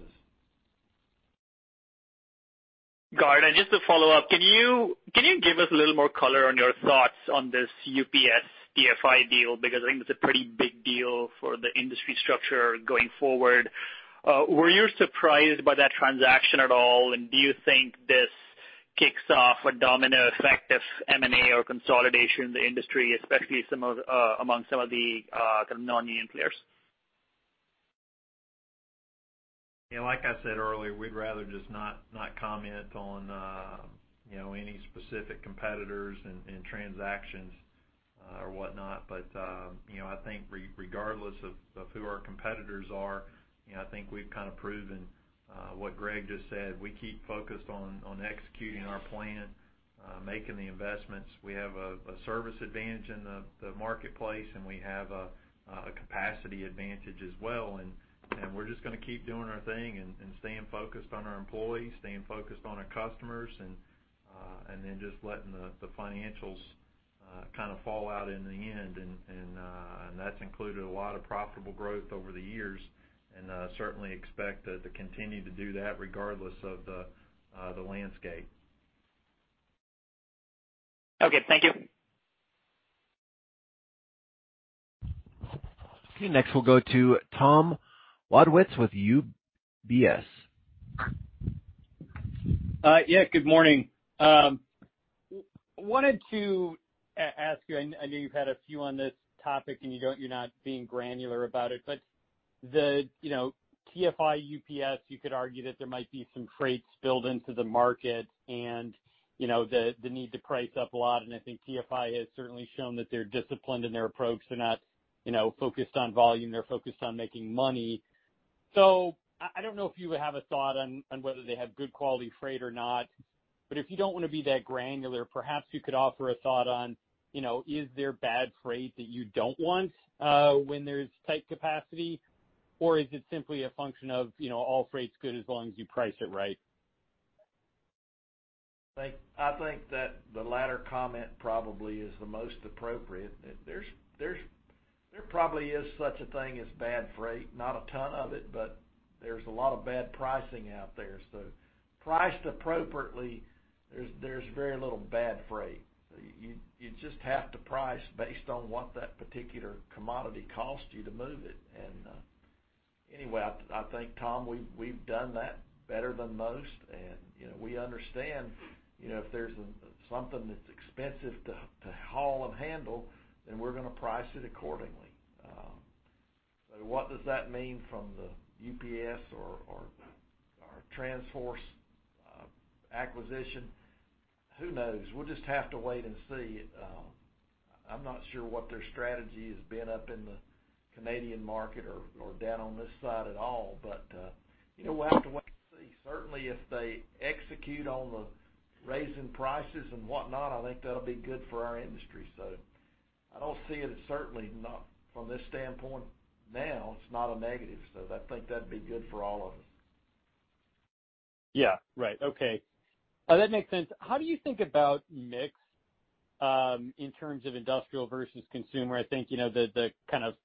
Got it. Just to follow up, can you give us a little more color on your thoughts on this UPS TFI deal? I think it's a pretty big deal for the industry structure going forward. Were you surprised by that transaction at all? Do you think this kicks off a domino effect of M&A or consolidation in the industry, especially among some of the kind of non-union players? Yeah, like I said earlier, we'd rather just not comment on, you know, any specific competitors and transactions or whatnot. You know, I think regardless of who our competitors are, you know, I think we've kind of proven what Greg just said. We keep focused on executing our plan, making the investments. We have a service advantage in the marketplace, and we have a capacity advantage as well. We're just gonna keep doing our thing and staying focused on our employees, staying focused on our customers and then just letting the financials kind of fall out in the end. That's included a lot of profitable growth over the years, and certainly expect to continue to do that regardless of the landscape. Okay, thank you. Okay. Next, we'll go to Tom Wadewitz with UBS. Yeah, good morning. wanted to ask you, I know you've had a few on this topic, and you're not being granular about it, but, you know, TFI UPS, you could argue that there might be some freight spilled into the market and, you know, the need to price up a lot. I think TFI has certainly shown that they're disciplined in their approach. They're not, you know, focused on volume. They're focused on making money. I don't know if you have a thought on whether they have good quality freight or not. If you don't wanna be that granular, perhaps you could offer a thought on, you know, is there bad freight that you don't want when there's tight capacity? Is it simply a function of, you know, all freight's good as long as you price it right? I think that the latter comment probably is the most appropriate. There probably is such a thing as bad freight, not a ton of it, but there's a lot of bad pricing out there. Priced appropriately, there's very little bad freight. You just have to price based on what that particular commodity costs you to move it. Anyway, I think, Tom, we've done that better than most. You know, we understand, you know, if there's something that's expensive to haul and handle, then we're gonna price it accordingly. What does that mean from the UPS or TransForce acquisition? Who knows? We'll just have to wait and see. I'm not sure what their strategy has been up in the Canadian market or down on this side at all, you know, we'll have to wait and see. Certainly, if they execute on the raising prices and whatnot, I think that'll be good for our industry. I don't see it, certainly not from this standpoint now, it's not a negative. I think that'd be good for all of us. Yeah. Right. Okay. That makes sense. How do you think about mix in terms of industrial versus consumer? I think, you know, the kind of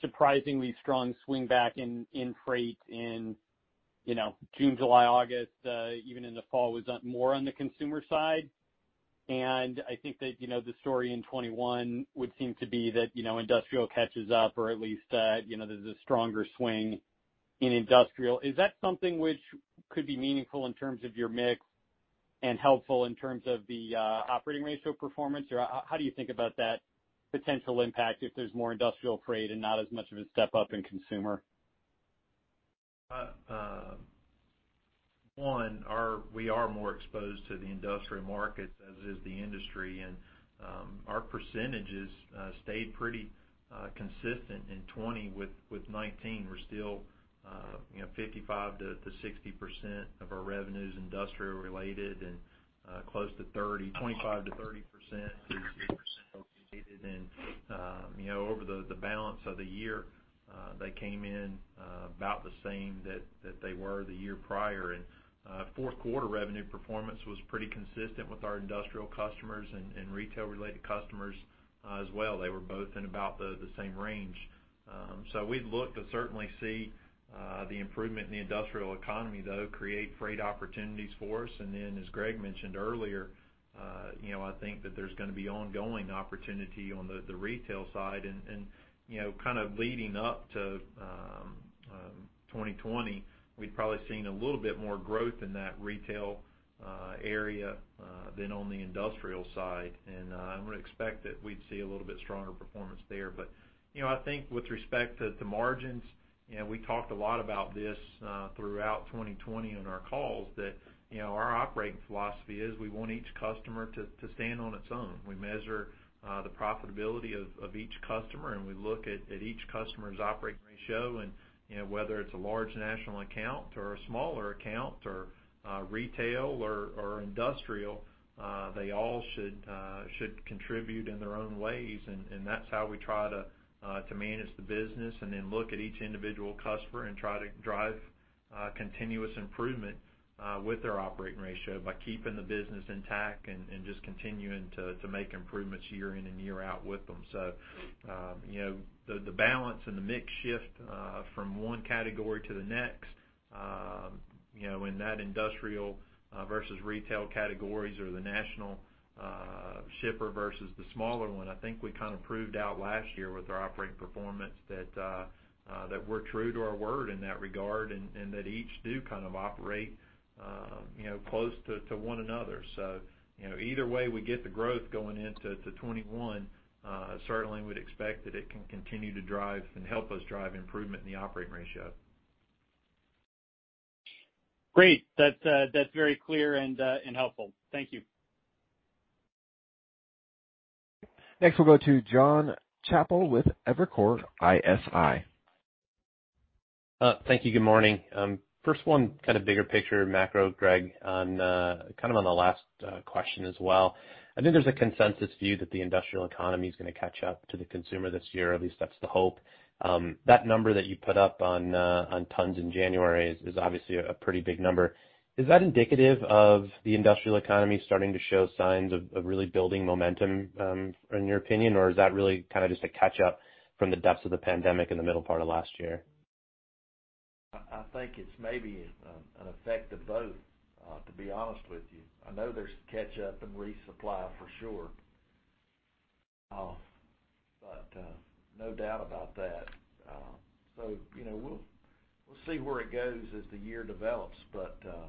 surprisingly strong swing back in freight in, you know, June, July, August, even in the fall was more on the consumer side. I think that, you know, the story in 2021 would seem to be that, you know, industrial catches up or at least that, you know, there's a stronger swing in industrial. Is that something which could be meaningful in terms of your mix and helpful in terms of the operating ratio performance? How do you think about that potential impact if there's more industrial freight and not as much of a step up in consumer? One, we are more exposed to the industrial market as is the industry. Our percentages stayed pretty consistent in 2020 with 2019. We're still, you know, 55%-60% of our revenues industrial related and close to 30%, 25% -30% is retail located. Over the balance of the year, they came in about the same that they were the year prior. Fourth quarter revenue performance was pretty consistent with our industrial customers and retail-related customers as well. They were both in about the same range. We look to certainly see the improvement in the industrial economy, though, create freight opportunities for us. As Greg mentioned earlier, you know, I think that there's gonna be ongoing opportunity on the retail side and, you know, kind of leading up to 2020, we'd probably seen a little bit more growth in that retail area than on the industrial side. I'm gonna expect that we'd see a little bit stronger performance there. You know, I think with respect to margins, you know, we talked a lot about this throughout 2020 on our calls that, you know, our operating philosophy is we want each customer to stand on its own. We measure the profitability of each customer, and we look at each customer's operating ratio. You know, whether it's a large national account or a smaller account or retail or industrial, they all should contribute in their own ways. That's how we try to manage the business and then look at each individual customer and try to drive, continuous improvement, with their operating ratio by keeping the business intact and just continuing to make improvements year in and year out with them. You know, the balance and the mix shift from one category to the next, you know, in that industrial versus retail categories or the national shipper versus the smaller one, I think we kinda proved out last year with our operating performance that we're true to our word in that regard and that each do kind of operate, you know, close to one another. You know, either way, we get the growth going into 2021, certainly would expect that it can continue to drive and help us drive improvement in the operating ratio. Great. That's very clear and helpful. Thank you. Next, we'll go to Jon Chappell with Evercore ISI. Thank you. Good morning. First one kind of bigger picture macro, Greg, on kind of on the last question as well. I think there's a consensus view that the industrial economy is gonna catch up to the consumer this year, at least that's the hope. That number that you put up on tons in January is obviously a pretty big number. Is that indicative of the industrial economy starting to show signs of really building momentum in your opinion? Is that really kind of just a catch up from the depths of the pandemic in the middle part of last year? I think it's maybe an effect of both to be honest with you. I know there's catch up and resupply for sure. No doubt about that. You know, we'll see where it goes as the year develops. You know,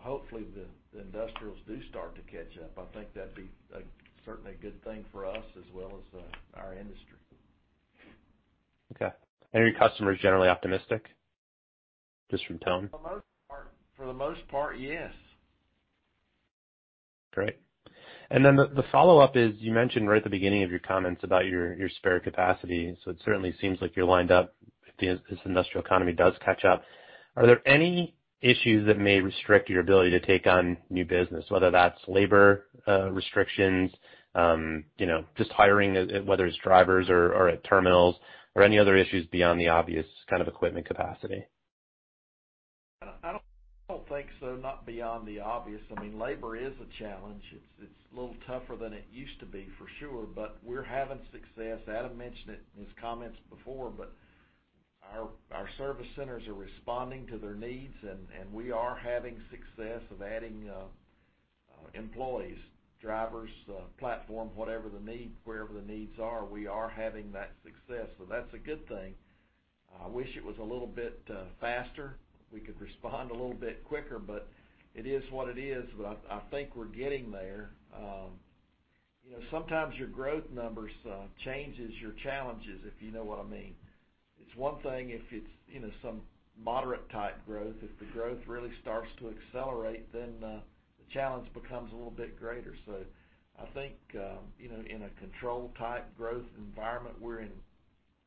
hopefully the industrials do start to catch up. I think that'd be certainly a good thing for us as well as our industry. Okay. Are your customers generally optimistic, just from tone? For the most part, yes. Great. The follow-up is, you mentioned right at the beginning of your comments about your spare capacity. It certainly seems like you're lined up if this industrial economy does catch up. Are there any issues that may restrict your ability to take on new business, whether that's labor, restrictions, you know, just hiring, whether it's drivers or at terminals or any other issues beyond the obvious kind of equipment capacity? I don't think so, not beyond the obvious. I mean, labor is a challenge. It's a little tougher than it used to be for sure, we're having success. Adam mentioned it in his comments before, our service centers are responding to their needs, and we are having success of adding employees, drivers, platform, whatever the need. Wherever the needs are, we are having that success. That's a good thing. I wish it was a little bit faster. We could respond a little bit quicker, it is what it is. I think we're getting there. You know, sometimes your growth numbers changes your challenges, if you know what I mean. It's one thing if it's, you know, some moderate type growth. If the growth really starts to accelerate, the challenge becomes a little bit greater. I think, you know, in a controlled type growth environment, we're in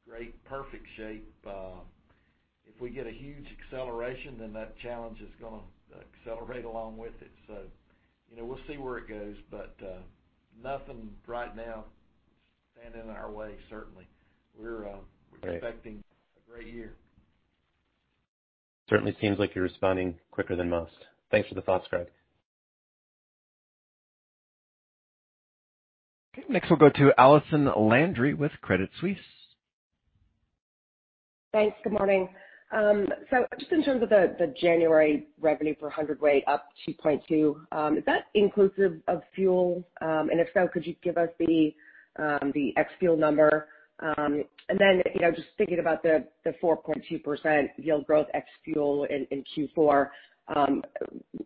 great, perfect shape. If we get a huge acceleration, that challenge is gonna accelerate along with it. You know, we'll see where it goes, nothing right now standing in our way, certainly. Great we're expecting a great year. Certainly seems like you're responding quicker than most. Thanks for the thoughts, Greg. Okay. Next, we'll go to Allison Landry with Credit Suisse. Thanks. Good morning. Just in terms of the January revenue per hundredweight up 2.2, is that inclusive of fuel? If so, could you give us the ex-fuel number? Then, you know, just thinking about the 4.2% yield growth ex-fuel in Q4.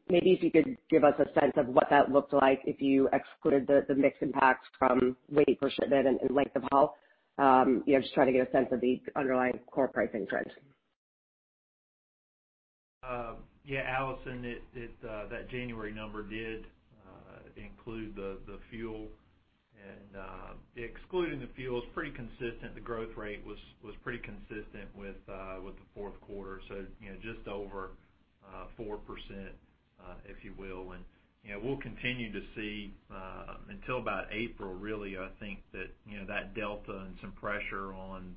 Maybe if you could give us a sense of what that looked like if you excluded the mix impacts from weight per shipment and length of haul. You know, just trying to get a sense of the underlying core pricing trend. Yeah, Allison, that January number did include the fuel and excluding the fuel is pretty consistent. The growth rate was pretty consistent with the fourth quarter. You know, just over 4%, if you will. You know, we'll continue to see until about April, really, I think that, you know, that delta and some pressure on,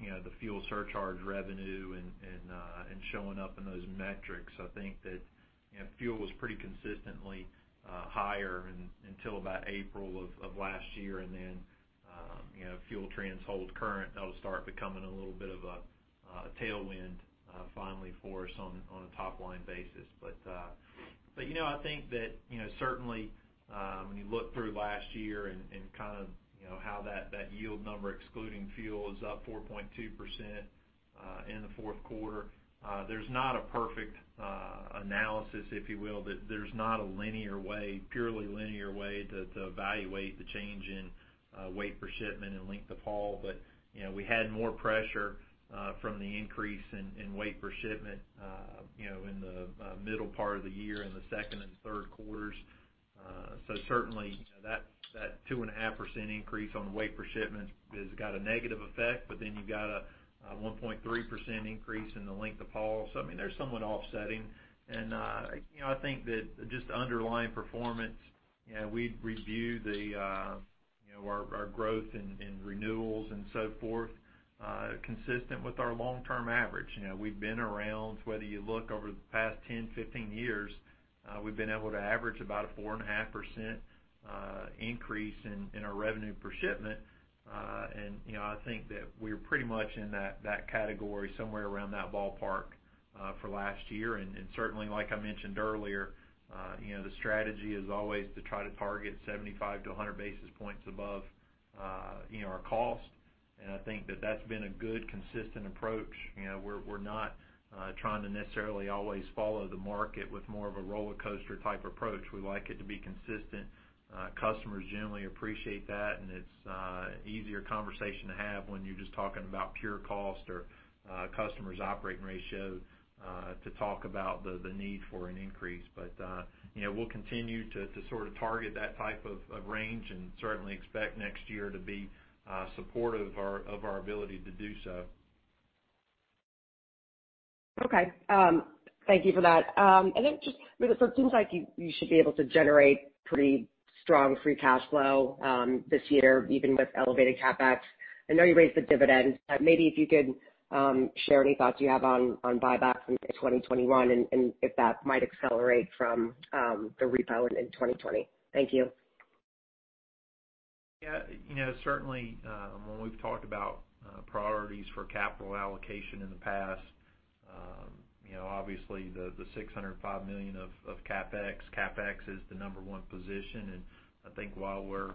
you know, the fuel surcharge revenue and showing up in those metrics. I think that, you know, fuel was pretty consistently higher until about April of last year. You know, if fuel trends hold current, that'll start becoming a little bit of a tailwind finally for us on a top-line basis. You know, I think that, you know, certainly, when you look through last year and kind of, you know, how that yield number excluding fuel is up 4.2% in the fourth quarter, there's not a perfect analysis, if you will. There's not a linear way, purely linear way to evaluate the change in weight per shipment and length of haul. You know, we had more pressure from the increase in weight per shipment, you know, in the middle part of the year in the second and third quarters. Certainly, you know, that 2.5% increase on weight per shipment has got a negative effect, but then you've got a 1.3% increase in the length of haul. I mean, they're somewhat offsetting. I think that just underlying performance, you know, we review the, you know, our growth in renewals and so forth, consistent with our long-term average. You know, we've been around, whether you look over the past 10, 15 years, we've been able to average about a 4.5% increase in our revenue per shipment. You know, I think that we're pretty much in that category somewhere around that ballpark for last year. Certainly, like I mentioned earlier, you know, the strategy is always to try to target 75-100 basis points above, you know, our cost. I think that that's been a good, consistent approach. You know, we're not trying to necessarily always follow the market with more of a rollercoaster type approach. We like it to be consistent. Customers generally appreciate that, and it's easier conversation to have when you're just talking about pure cost or customers' operating ratio to talk about the need for an increase. You know, we'll continue to sort of target that type of range and certainly expect next year to be supportive of our ability to do so. Okay. Thank you for that. Then just, I mean, it seems like you should be able to generate pretty strong free cash flow, this year, even with elevated CapEx. I know you raised the dividend. Maybe if you could share any thoughts you have on buybacks in 2021 and if that might accelerate from the repo in 2020. Thank you. Yeah. You know, certainly, when we've talked about priorities for capital allocation in the past, you know, obviously the $605 million of CapEx is the number one position. I think while we're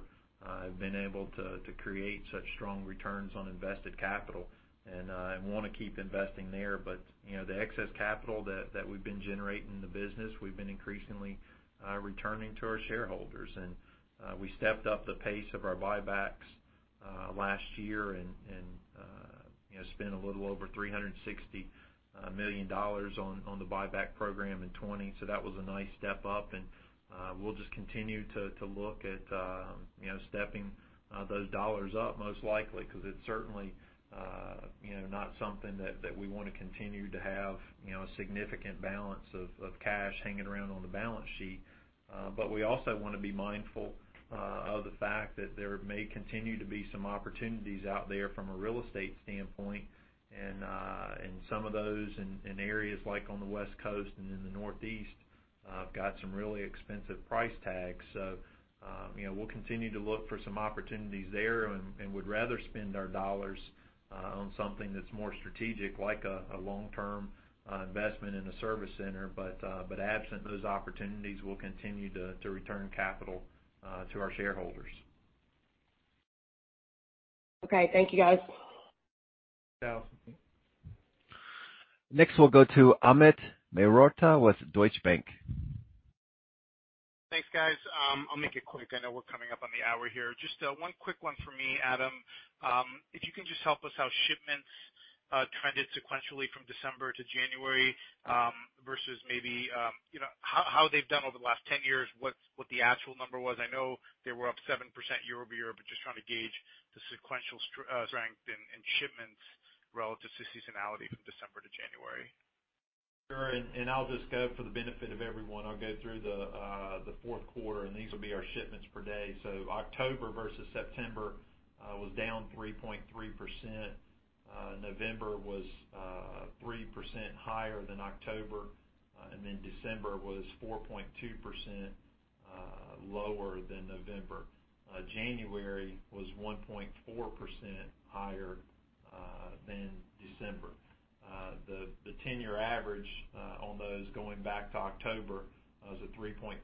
been able to create such strong returns on invested capital and wanna keep investing there. You know, the excess capital that we've been generating in the business, we've been increasingly returning to our shareholders. We stepped up the pace of our buybacks last year and, you know, spent a little over $360 million on the buyback program in 2020. That was a nice step up. We'll just continue to look at, you know, stepping those dollars up most likely, 'cause it's certainly, you know, not something that we wanna continue to have, you know, a significant balance of cash hanging around on the balance sheet. We also wanna be mindful of the fact that there may continue to be some opportunities out there from a real estate standpoint. Some of those in areas like on the West Coast and in the Northeast have got some really expensive price tags. You know, we'll continue to look for some opportunities there and would rather spend our dollars on something that's more strategic, like a long-term investment in a service center. Absent those opportunities, we'll continue to return capital to our shareholders. Okay. Thank you, guys. Yeah. Next, we'll go to Amit Mehrotra with Deutsche Bank. Thanks, guys. I'll make it quick. I know we're coming up on the hour here. Just one quick one for me, Adam. If you can just help us how shipments trended sequentially from December to January versus maybe, you know, how they've done over the last 10 years, what the actual number was. I know they were up 7% year-over-year, but just trying to gauge the sequential strength in shipments relative to seasonality from December to January. Sure. I'll just go for the benefit of everyone. I'll go through the fourth quarter, and these will be our shipments per day. October versus September was down 3.3%. November was 3% higher than October. December was 4.2% lower than November. January was 1.4% higher than December. The 10-year average on those going back to October was a 3.3%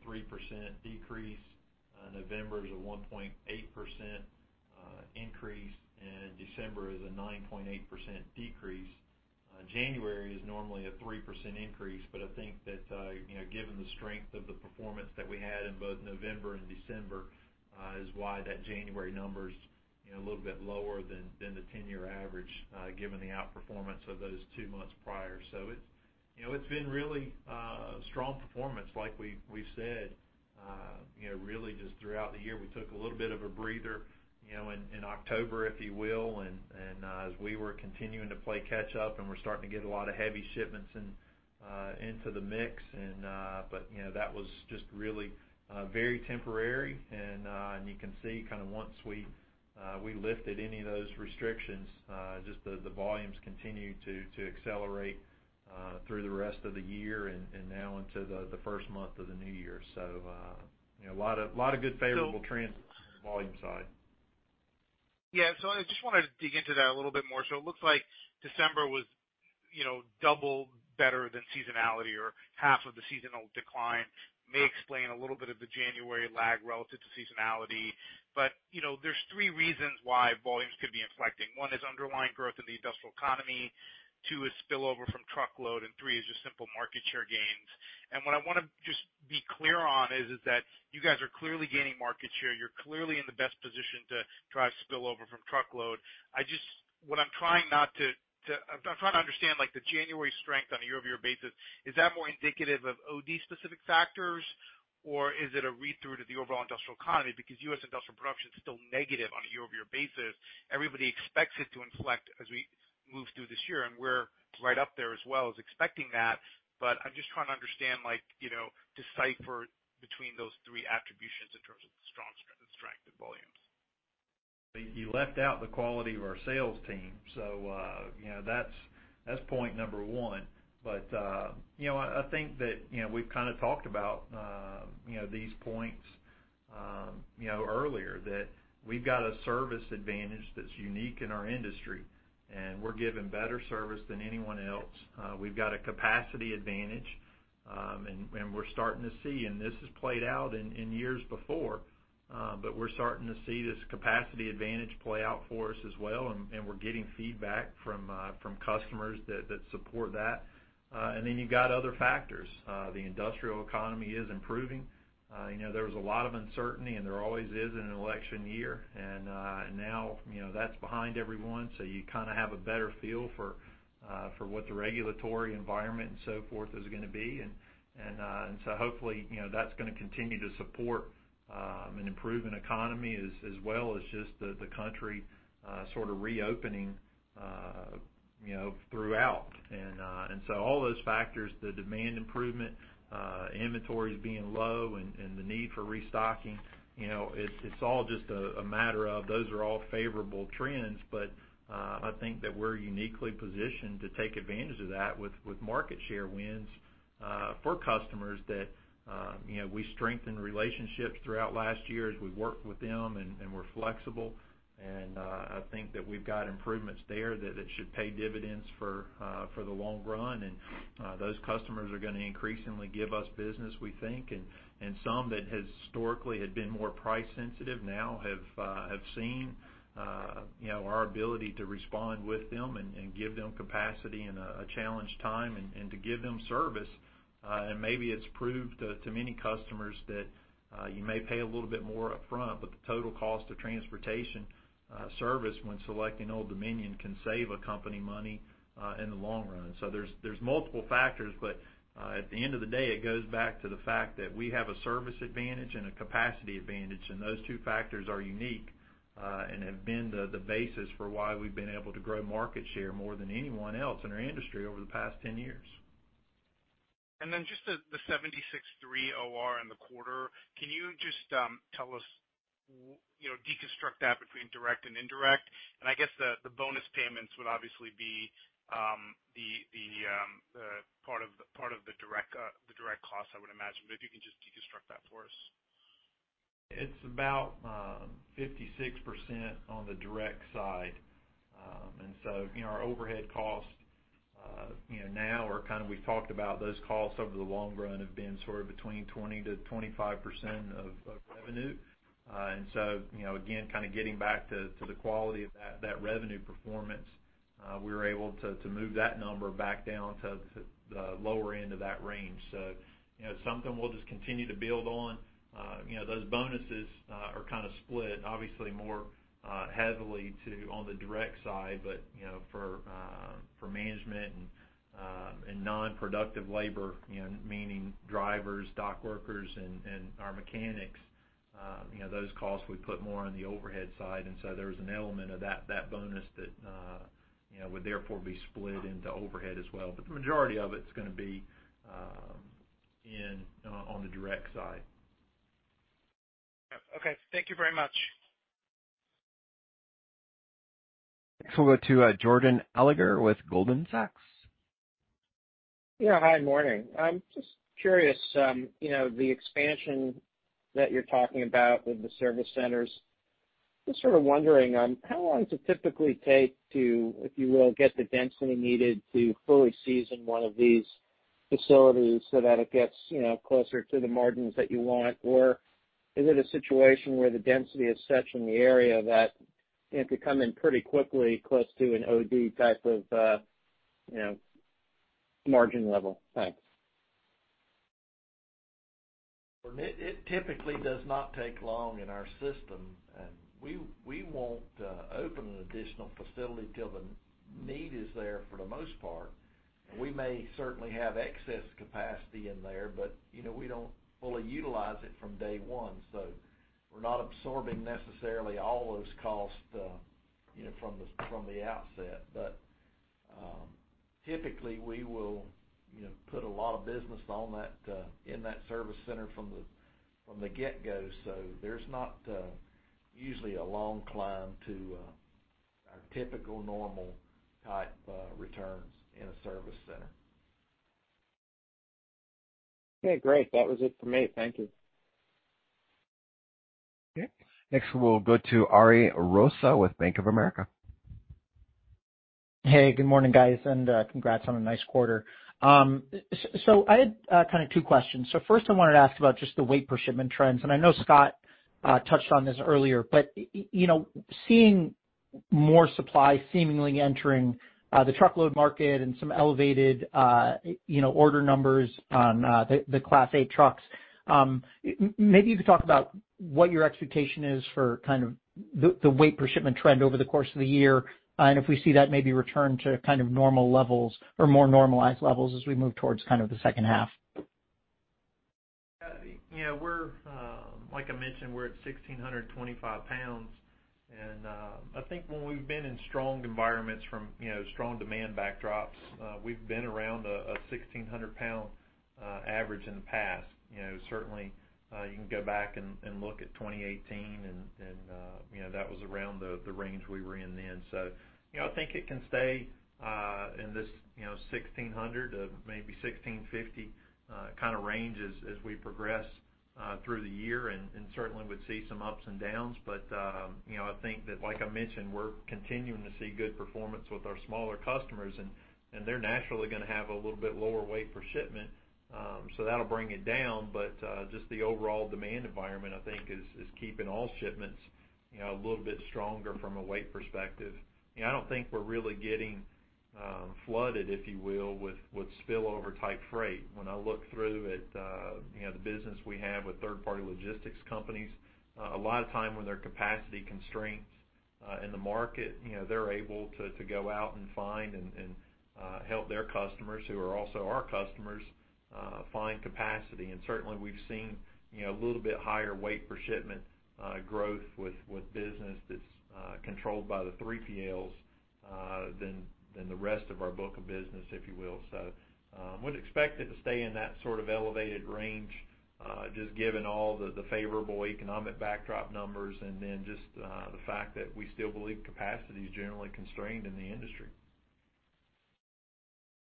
decrease. November is a 1.8% increase in December is a 9.8% decrease. January is normally a 3% increase, I think that, you know, given the strength of the performance that we had in both November and December, is why that January number's, you know, a little bit lower than the 10-year average, given the outperformance of those two months prior. You know, it's been really strong performance, like we said. You know, really just throughout the year, we took a little bit of a breather, you know, in October, if you will, as we were continuing to play catch up and we're starting to get a lot of heavy shipments in into the mix. You know, that was just really very temporary. You can see kinda once we lifted any of those restrictions, just the volumes continued to accelerate through the rest of the year and now into the first month of the new year. You know, a lot of good favorable trends. So- -on the volume side. Yeah. I just wanted to dig into that a little bit more. It looks like December was, you know, double better than seasonality or half of the seasonal decline. May explain a little bit of the January lag relative to seasonality. You know, there's three reasons why volumes could be inflecting. One is underlying growth in the industrial economy, two is spillover from truckload, and three is just simple market share gains. What I wanna just be clear on is that you guys are clearly gaining market share. You're clearly in the best position to drive spillover from truckload. I just I'm trying to understand, like, the January strength on a year-over-year basis. Is that more indicative of OD-specific factors, or is it a read-through to the overall industrial economy? U.S. industrial production is still negative on a year-over-year basis. Everybody expects it to inflect as we move through this year, we're right up there as well as expecting that. I'm just trying to understand, like, you know, decipher between those three attributions in terms of the strong strength, the strength of volumes. You left out the quality of our sales team. You know, that's point number one. You know, I think that, you know, we've kinda talked about, you know, these points, you know, earlier, that we've got a service advantage that's unique in our industry, and we're giving better service than anyone else. We've got a capacity advantage, and we're starting to see, and this has played out in years before, but we're starting to see this capacity advantage play out for us as well, and we're getting feedback from customers that support that. Then you've got other factors. The industrial economy is improving. You know, there was a lot of uncertainty, and there always is in an election year. Now, you know, that's behind everyone, so you kinda have a better feel for what the regulatory environment and so forth is gonna be. So hopefully, you know, that's gonna continue to support an improving economy as well as just the country sort of reopening, you know, throughout. So all those factors, the demand improvement, inventories being low and the need for restocking, you know, it's all just a matter of those are all favorable trends. I think that we're uniquely positioned to take advantage of that with market share wins for customers that, you know, we strengthened relationships throughout last year as we worked with them and we're flexible. I think that we've got improvements there that should pay dividends for the long run. Those customers are gonna increasingly give us business, we think. Some that historically had been more price sensitive now have seen, you know, our ability to respond with them and give them capacity in a challenged time and to give them service. Maybe it's proved to many customers that you may pay a little bit more upfront, but the total cost of transportation service when selecting Old Dominion can save a company money in the long run. There's multiple factors, but, at the end of the day, it goes back to the fact that we have a service advantage and a capacity advantage, and those two factors are unique and have been the basis for why we've been able to grow market share more than anyone else in our industry over the past 10 years. Just the 76.3 OR in the quarter. Can you just, you know, deconstruct that between direct and indirect? I guess the bonus payments would obviously be the part of the direct cost, I would imagine. If you can just deconstruct that for us. It's about 56% on the direct side. You know, our overhead costs, you know, We've talked about those costs over the long run have been sort of between 20%-25% of revenue. You know, again, kind of getting back to the quality of that revenue performance, we were able to move that number back down to the lower end of that range. You know, something we'll just continue to build on. You know, those bonuses are kind of split, obviously more heavily on the direct side. You know, for management and non-productive labor, you know, meaning drivers, dock workers and our mechanics, those costs we put more on the overhead side. There's an element of that bonus that, you know, would therefore be split into overhead as well. The majority of it's gonna be in on the direct side. Okay. Thank you very much. Next, we'll go to Jordan Alliger with Goldman Sachs. Yeah. Hi. Morning. I'm just curious, you know, the expansion that you're talking about with the service centers, just sort of wondering, how long does it typically take to, if you will, get the density needed to fully season one of these facilities so that it gets, you know, closer to the margins that you want? Is it a situation where the density is such in the area that it could come in pretty quickly close to an OD type of, you know, margin level? Thanks. It typically does not take long in our system. We won't open an additional facility till the need is there for the most part. We may certainly have excess capacity in there. You know, we don't fully utilize it from day one, so we're not absorbing necessarily all those costs, you know, from the outset. Typically, we will, you know, put a lot of business in that service center from the get-go. There's not usually a long climb to our typical normal type returns in a service center. Okay, great. That was it for me. Thank you. Okay. Next, we'll go to Ariel Rosa with Bank of America. Hey, good morning, guys, and congrats on a nice quarter. I had kinda two questions. First, I wanted to ask about just the weight per shipment trends, and I know Scott touched on this earlier. You know, seeing more supply seemingly entering the truckload market and some elevated you know, order numbers on the Class 8 trucks, maybe you could talk about what your expectation is for kind of the weight per shipment trend over the course of the year, and if we see that maybe return to kind of normal levels or more normalized levels as we move towards kind of the second half. Yeah, like I mentioned, we're at 1,625 pounds. I think when we've been in strong environments from, you know, strong demand backdrops, we've been around a 1,600 pound average in the past. You know, certainly, you can go back and look at 2018 and, you know, that was around the range we were in then. You know, I think it can stay in this, you know, 1,600-1,650 kind of range as we progress through the year and certainly would see some ups and downs. You know, I think that, like I mentioned, we're continuing to see good performance with our smaller customers, and they're naturally going to have a little bit lower weight per shipment, so that'll bring it down. Just the overall demand environment, I think is keeping all shipments, you know, a little bit stronger from a weight perspective. You know, I don't think we're really getting flooded, if you will, with spillover type freight. When I look through at, you know, the business we have with Third-Party Logistics companies, a lot of time with their capacity constraints in the market, you know, they're able to go out and find and help their customers who are also our customers, find capacity. Certainly, we've seen, you know, a little bit higher weight per shipment growth with business that's controlled by the 3PLs than the rest of our book of business, if you will. would expect it to stay in that sort of elevated range, just given all the favorable economic backdrop numbers and then just, the fact that we still believe capacity is generally constrained in the industry.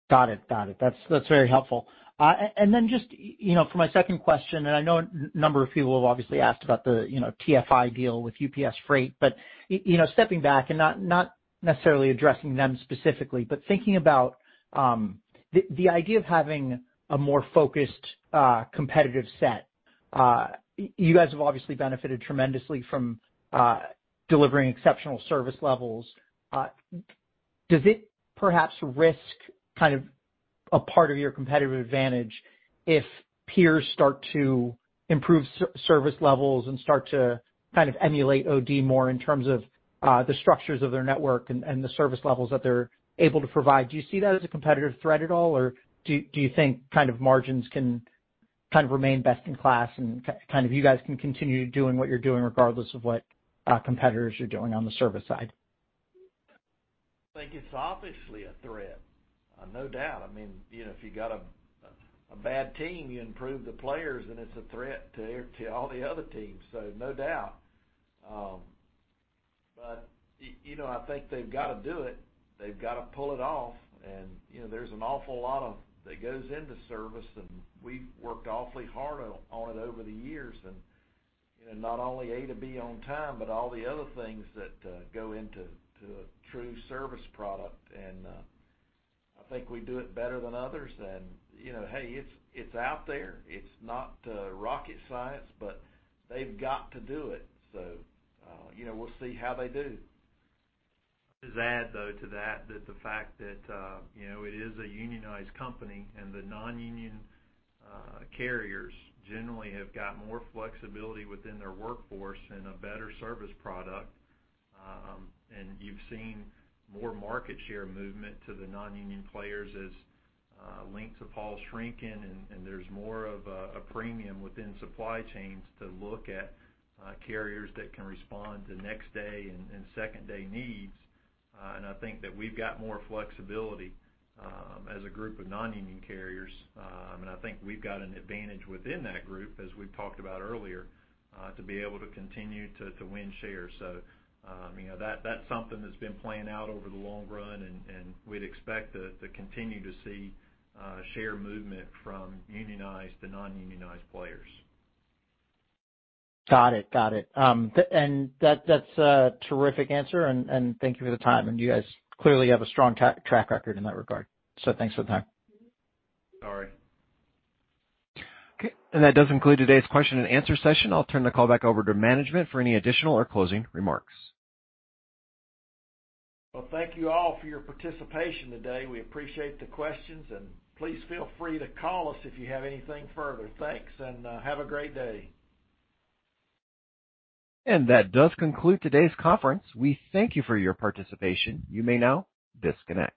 Got it. Got it. That's, that's very helpful. You know, for my second question, I know a number of people have obviously asked about the, you know, TFI deal with UPS Freight. You know, stepping back and not necessarily addressing them specifically, thinking about the idea of having a more focused competitive set, you guys have obviously benefited tremendously from delivering exceptional service levels. Does it perhaps risk kind of a part of your competitive advantage if peers start to improve service levels and start to kind of emulate OD more in terms of the structures of their network and the service levels that they're able to provide? Do you see that as a competitive threat at all, or do you think kind of margins can remain best in class and kind of you guys can continue doing what you're doing regardless of what competitors are doing on the service side? I think it's obviously a threat. No doubt. I mean, you know, if you got a bad team, you improve the players, and it's a threat to all the other teams, no doubt. You know, I think they've gotta do it. They've gotta pull it off. You know, there's an awful lot of that goes into service, and we've worked awfully hard on it over the years. You know, not only A to B on time, but all the other things that go into a true service product. I think we do it better than others. You know, hey, it's out there. It's not rocket science, but they've got to do it. You know, we'll see how they do. Just add, though, to that the fact that, you know, it is a unionized company, and the non-union carriers generally have got more flexibility within their workforce and a better service product. You've seen more market share movement to the non-union players as links of haul shrinking, and there's more of a premium within supply chains to look at carriers that can respond to next day and second day needs. I think that we've got more flexibility as a group of non-union carriers. I think we've got an advantage within that group, as we talked about earlier, to be able to continue to win shares. You know, that's something that's been playing out over the long run, and we'd expect to continue to see share movement from unionized to non-unionized players. Got it. Got it. That's a terrific answer, and thank you for the time. You guys clearly have a strong track record in that regard. Thanks for the time. All right. Okay. That does conclude today's question and answer session. I'll turn the call back over to management for any additional or closing remarks. Well, thank you all for your participation today. We appreciate the questions, and please feel free to call us if you have anything further. Thanks, and have a great day. That does conclude today's conference. We thank you for your participation. You may now disconnect.